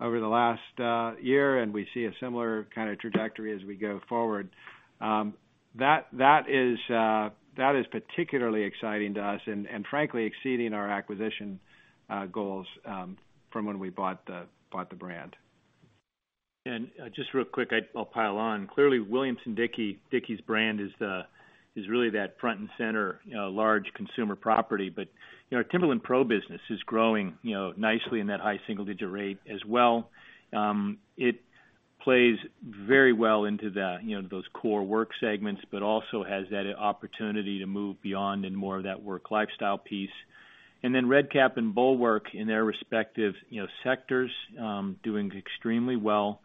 over the last year, and we see a similar kind of trajectory as we go forward. That is particularly exciting to us and frankly exceeding our acquisition goals from when we bought the brand. Just real quick, I'll pile on. Clearly, Williamson-Dickie brand is really that front and center large consumer property. Our Timberland PRO business is growing nicely in that high single digit rate as well. It plays very well into those core work segments, but also has that opportunity to move beyond in more of that work lifestyle piece. Red Kap and Bulwark in their respective sectors, doing extremely well.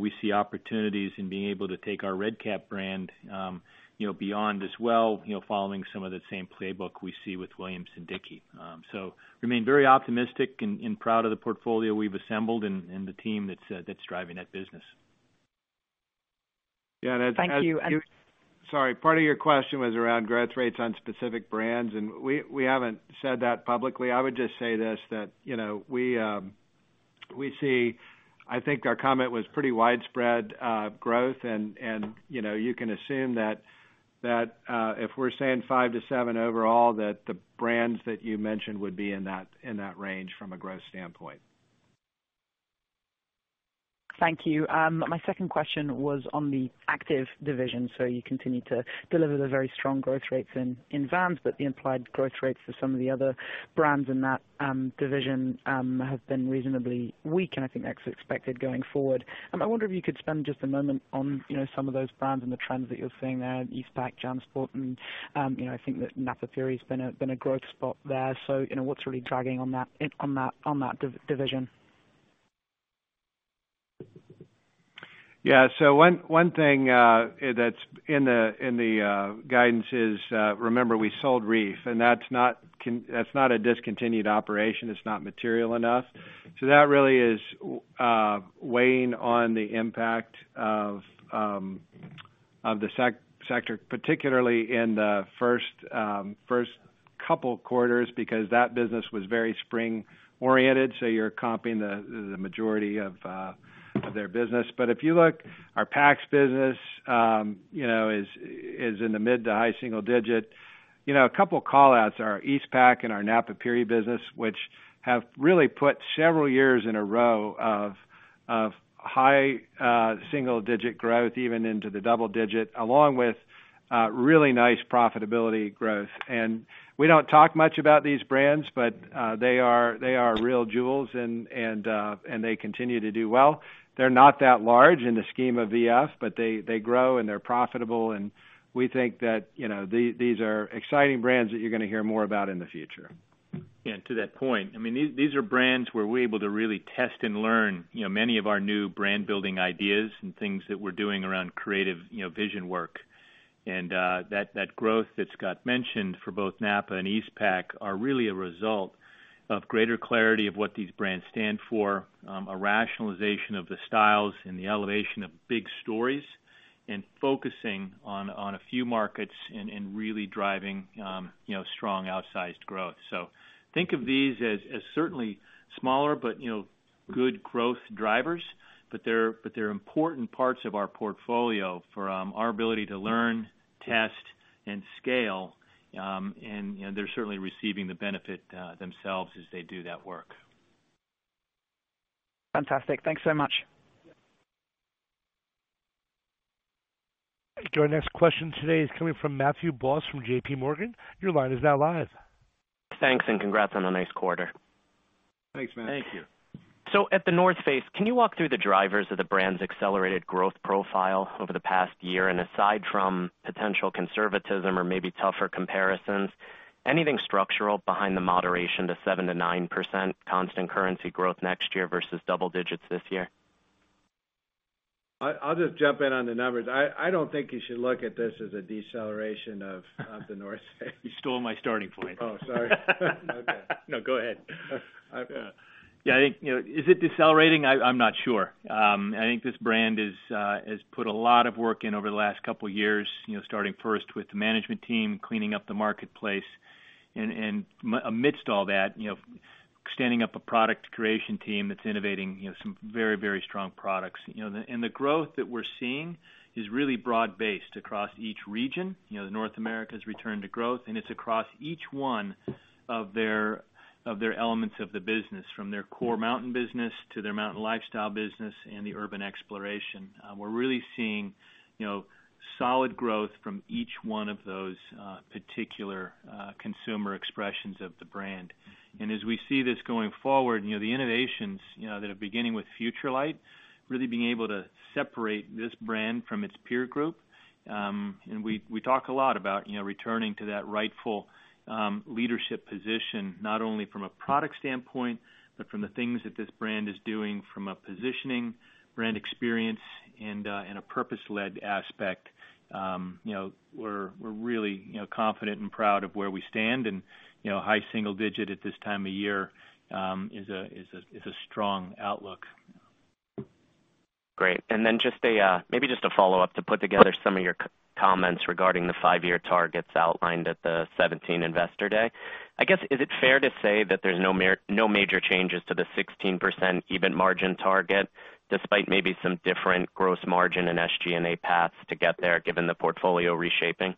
We see opportunities in being able to take our Red Kap brand beyond as well, following some of the same playbook we see with Williamson and Dickie. Remain very optimistic and proud of the portfolio we've assembled and the team that's driving that business. Yeah. As you- Thank you. Sorry. Part of your question was around growth rates on specific brands. We haven't said that publicly. I would just say this. I think our comment was pretty widespread growth. You can assume that if we're saying 5%-7% overall, that the brands that you mentioned would be in that range from a growth standpoint. Thank you. My second question was on the active division. You continue to deliver the very strong growth rates in Vans, but the implied growth rates for some of the other brands in that division have been reasonably weak, and I think that's expected going forward. I wonder if you could spend just a moment on some of those brands and the trends that you're seeing there, Eastpak, JanSport, and I think that Napapijri's been a growth spot there. What's really dragging on that division? Yeah. One thing that's in the guidance is, remember, we sold Reef. That's not a discontinued operation. It's not material enough. That really is weighing on the impact of the sector, particularly in the first couple of quarters, because that business was very spring oriented. You're comping the majority of their business. If you look, our packs business is in the mid to high single-digit. A couple callouts are Eastpak and our Napapijri business, which have really put several years in a row of high single-digit growth, even into the double-digit, along with really nice profitability growth. We don't talk much about these brands, but they are real jewels, and they continue to do well. They're not that large in the scheme of VF, but they grow and they're profitable, and we think that these are exciting brands that you're going to hear more about in the future. Yeah. To that point, these are brands where we're able to really test and learn many of our new brand building ideas and things that we're doing around creative vision work. That growth that Scott mentioned for both NAPA and Eastpak are really a result of greater clarity of what these brands stand for, a rationalization of the styles, and the elevation of big stories and focusing on a few markets and really driving strong outsized growth. Think of these as certainly smaller, but good growth drivers. They're important parts of our portfolio for our ability to learn, test, and scale, and they're certainly receiving the benefit themselves as they do that work. Fantastic. Thanks so much. Our next question today is coming from Matthew Boss from J.P. Morgan. Your line is now live. Thanks, congrats on a nice quarter. Thanks, Matt. Thank you. At The North Face, can you walk through the drivers of the brand's accelerated growth profile over the past year? Aside from potential conservatism or maybe tougher comparisons, anything structural behind the moderation to 7%-9% constant currency growth next year versus double digits this year? I'll just jump in on the numbers. I don't think you should look at this as a deceleration of The North Face. You stole my starting point. Oh, sorry. No, go ahead. Yeah. Yeah. Is it decelerating? I'm not sure. I think this brand has put a lot of work in over the last couple of years, starting first with the management team, cleaning up the marketplace, and amidst all that, standing up a product creation team that's innovating some very strong products. The growth that we're seeing is really broad-based across each region. North America's returned to growth. It's across each one of their elements of the business, from their core mountain business to their mountain lifestyle business and the urban exploration. We're really seeing solid growth from each one of those particular consumer expressions of the brand. As we see this going forward, the innovations that are beginning with FUTURELIGHT, really being able to separate this brand from its peer group. We talk a lot about returning to that rightful leadership position, not only from a product standpoint, but from the things that this brand is doing from a positioning, brand experience, and a purpose-led aspect. We're really confident and proud of where we stand. High single digit at this time of year is a strong outlook. Great. Maybe just a follow-up to put together some of your comments regarding the five-year targets outlined at the 2017 Investor Day. I guess, is it fair to say that there's no major changes to the 16% EBIT margin target, despite maybe some different gross margin and SG&A paths to get there given the portfolio reshaping?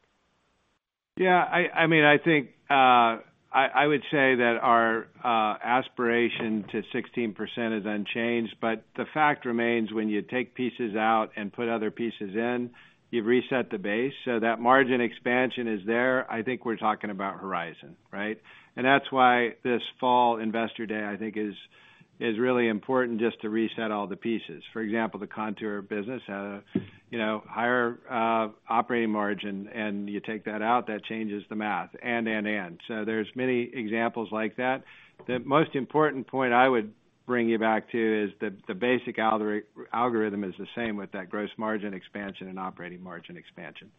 Yeah. I would say that our aspiration to 16% is unchanged. The fact remains, when you take pieces out and put other pieces in, you've reset the base. That margin expansion is there. I think we're talking about horizon, right? That's why this fall Investor Day, I think is really important just to reset all the pieces. For example, the Kontoor business had a higher operating margin. You take that out, that changes the math, and, and. There's many examples like that. The most important point I would bring you back to is the basic algorithm is the same with that gross margin expansion and operating margin expansion.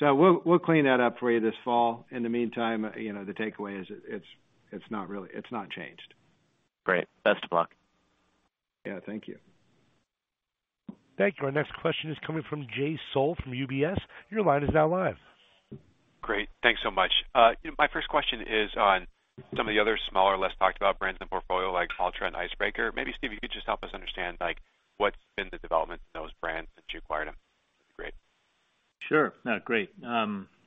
We'll clean that up for you this fall. In the meantime, the takeaway is it's not changed. Great. Best of luck. Yeah, thank you. Thank you. Our next question is coming from Jay Sole from UBS. Your line is now live. Great. Thanks so much. My first question is on some of the other smaller, less talked about brands in the portfolio, like Altra and Icebreaker. Maybe, Steve, you could just help us understand what's been the development in those brands since you acquired them. That'd be great. Sure. No, great.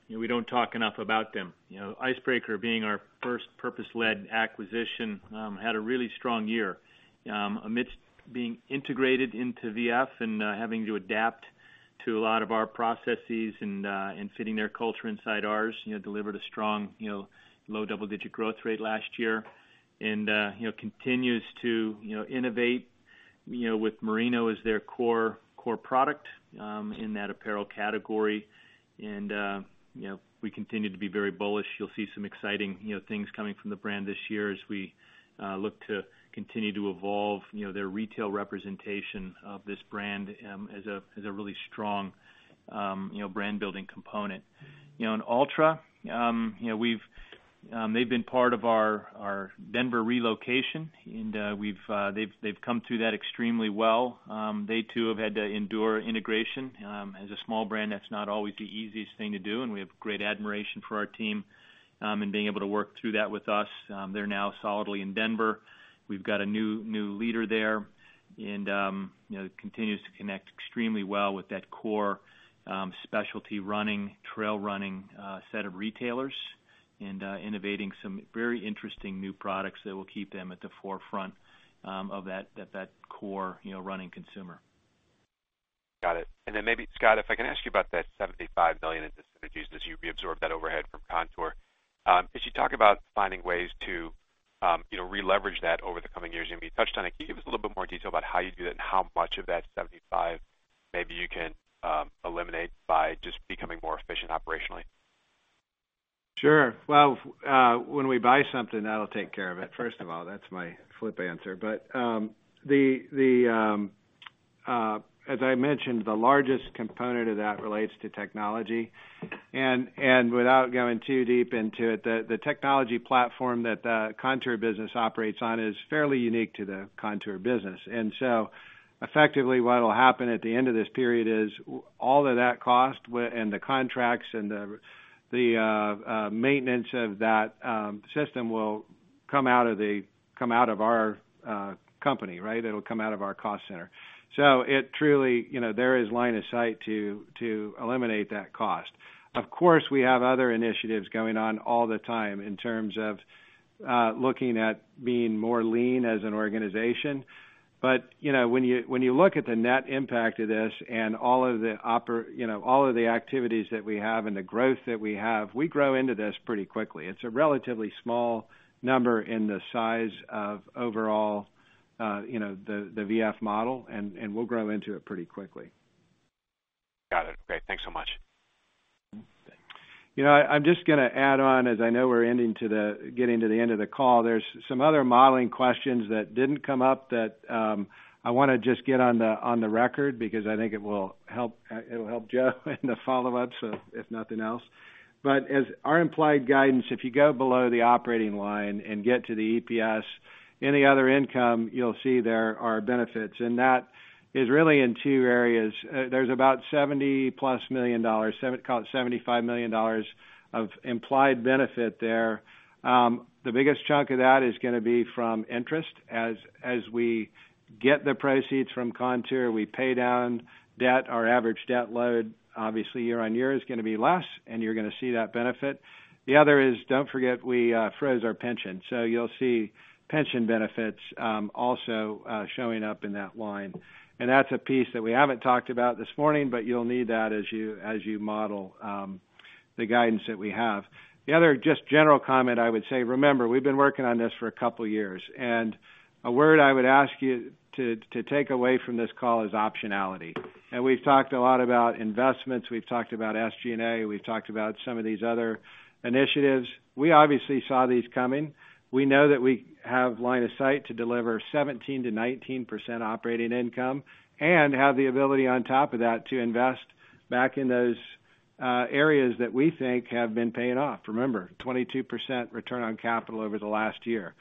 We don't talk enough about them. Icebreaker being our first purpose-led acquisition had a really strong year amidst being integrated into VF and having to adapt to a lot of our processes and fitting their culture inside ours, delivered a strong low double-digit growth rate last year and continues to innovate with Merino as their core product in that apparel category. We continue to be very bullish. You'll see some exciting things coming from the brand this year as we look to continue to evolve their retail representation of this brand as a really strong brand-building component. In Altra, they've been part of our Denver relocation, and they've come through that extremely well. They too have had to endure integration. As a small brand, that's not always the easiest thing to do, and we have great admiration for our team in being able to work through that with us. They're now solidly in Denver. We've got a new leader there, continues to connect extremely well with that core specialty running, trail running set of retailers and innovating some very interesting new products that will keep them at the forefront of that core running consumer. Got it. Maybe, Scott, if I can ask you about that $75 million in synergies as you reabsorb that overhead from Kontoor. As you talk about finding ways to re-leverage that over the coming years, you maybe touched on it, can you give us a little bit more detail about how you do that and how much of that $75 million maybe you can eliminate by just becoming more efficient operationally? Sure. Well, when we buy something, that'll take care of it, first of all. That's my flip answer. As I mentioned, the largest component of that relates to technology. Without going too deep into it, the technology platform that the Kontoor business operates on is fairly unique to the Kontoor business. Effectively, what'll happen at the end of this period is all of that cost and the contracts and the maintenance of that system will come out of our company. It'll come out of our cost center. There is line of sight to eliminate that cost. Of course, we have other initiatives going on all the time in terms of looking at being leaner as an organization. When you look at the net impact of this and all of the activities that we have and the growth that we have, we grow into this pretty quickly. It is a relatively small number in the size of overall the V.F. model, and we will grow into it pretty quickly. Got it. Great. Thanks so much. I am just going to add on, as I know we are getting to the end of the call. There are some other modeling questions that did not come up that I want to just get on the record because I think it will help Joe in the follow-ups if nothing else. As our implied guidance, if you go below the operating line and get to the EPS, any other income, you will see there are benefits. That is really in two areas. There is about $70 million plus, call it $75 million of implied benefit there. The biggest chunk of that is going to be from interest. As we get the proceeds from Kontoor, we pay down debt. Our average debt load, obviously year-on-year is going to be less, and you are going to see that benefit. The other is, do not forget we froze our pension, so you will see pension benefits also showing up in that line. That is a piece that we have not talked about this morning, but you will need that as you model the guidance that we have. The other just general comment I would say, remember, we have been working on this for a couple of years, a word I would ask you to take away from this call is optionality. We have talked a lot about investments. We have talked about SG&A, we have talked about some of these other initiatives. We obviously saw these coming. We know that we have line of sight to deliver 17%-19% operating income and have the ability on top of that to invest back in those areas that we think have been paying off. Remember, 22% return on capital over the last year.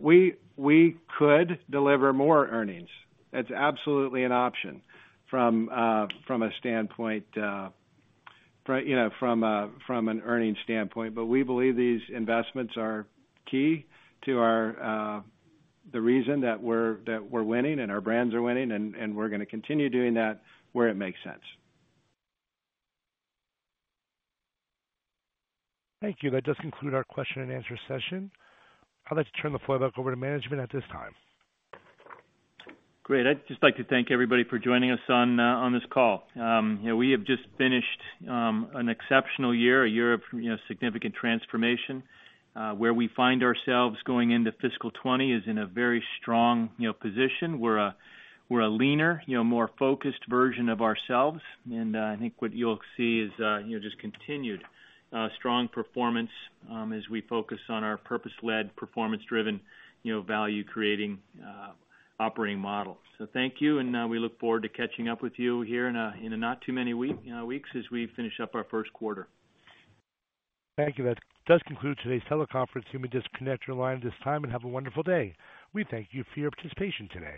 We could deliver more earnings. That's absolutely an option from an earnings standpoint. We believe these investments are key to the reason that we're winning and our brands are winning, and we're going to continue doing that where it makes sense. Thank you. That does conclude our question and answer session. I'd like to turn the floor back over to management at this time. Great. I'd just like to thank everybody for joining us on this call. We have just finished an exceptional year, a year of significant transformation. Where we find ourselves going into fiscal 2020 is in a very strong position. We're a leaner, more focused version of ourselves, and I think what you'll see is just continued strong performance as we focus on our purpose-led, performance-driven, value-creating operating model. Thank you, and we look forward to catching up with you here in not too many weeks as we finish up our first quarter. Thank you. That does conclude today's teleconference. You may disconnect your line at this time and have a wonderful day. We thank you for your participation today.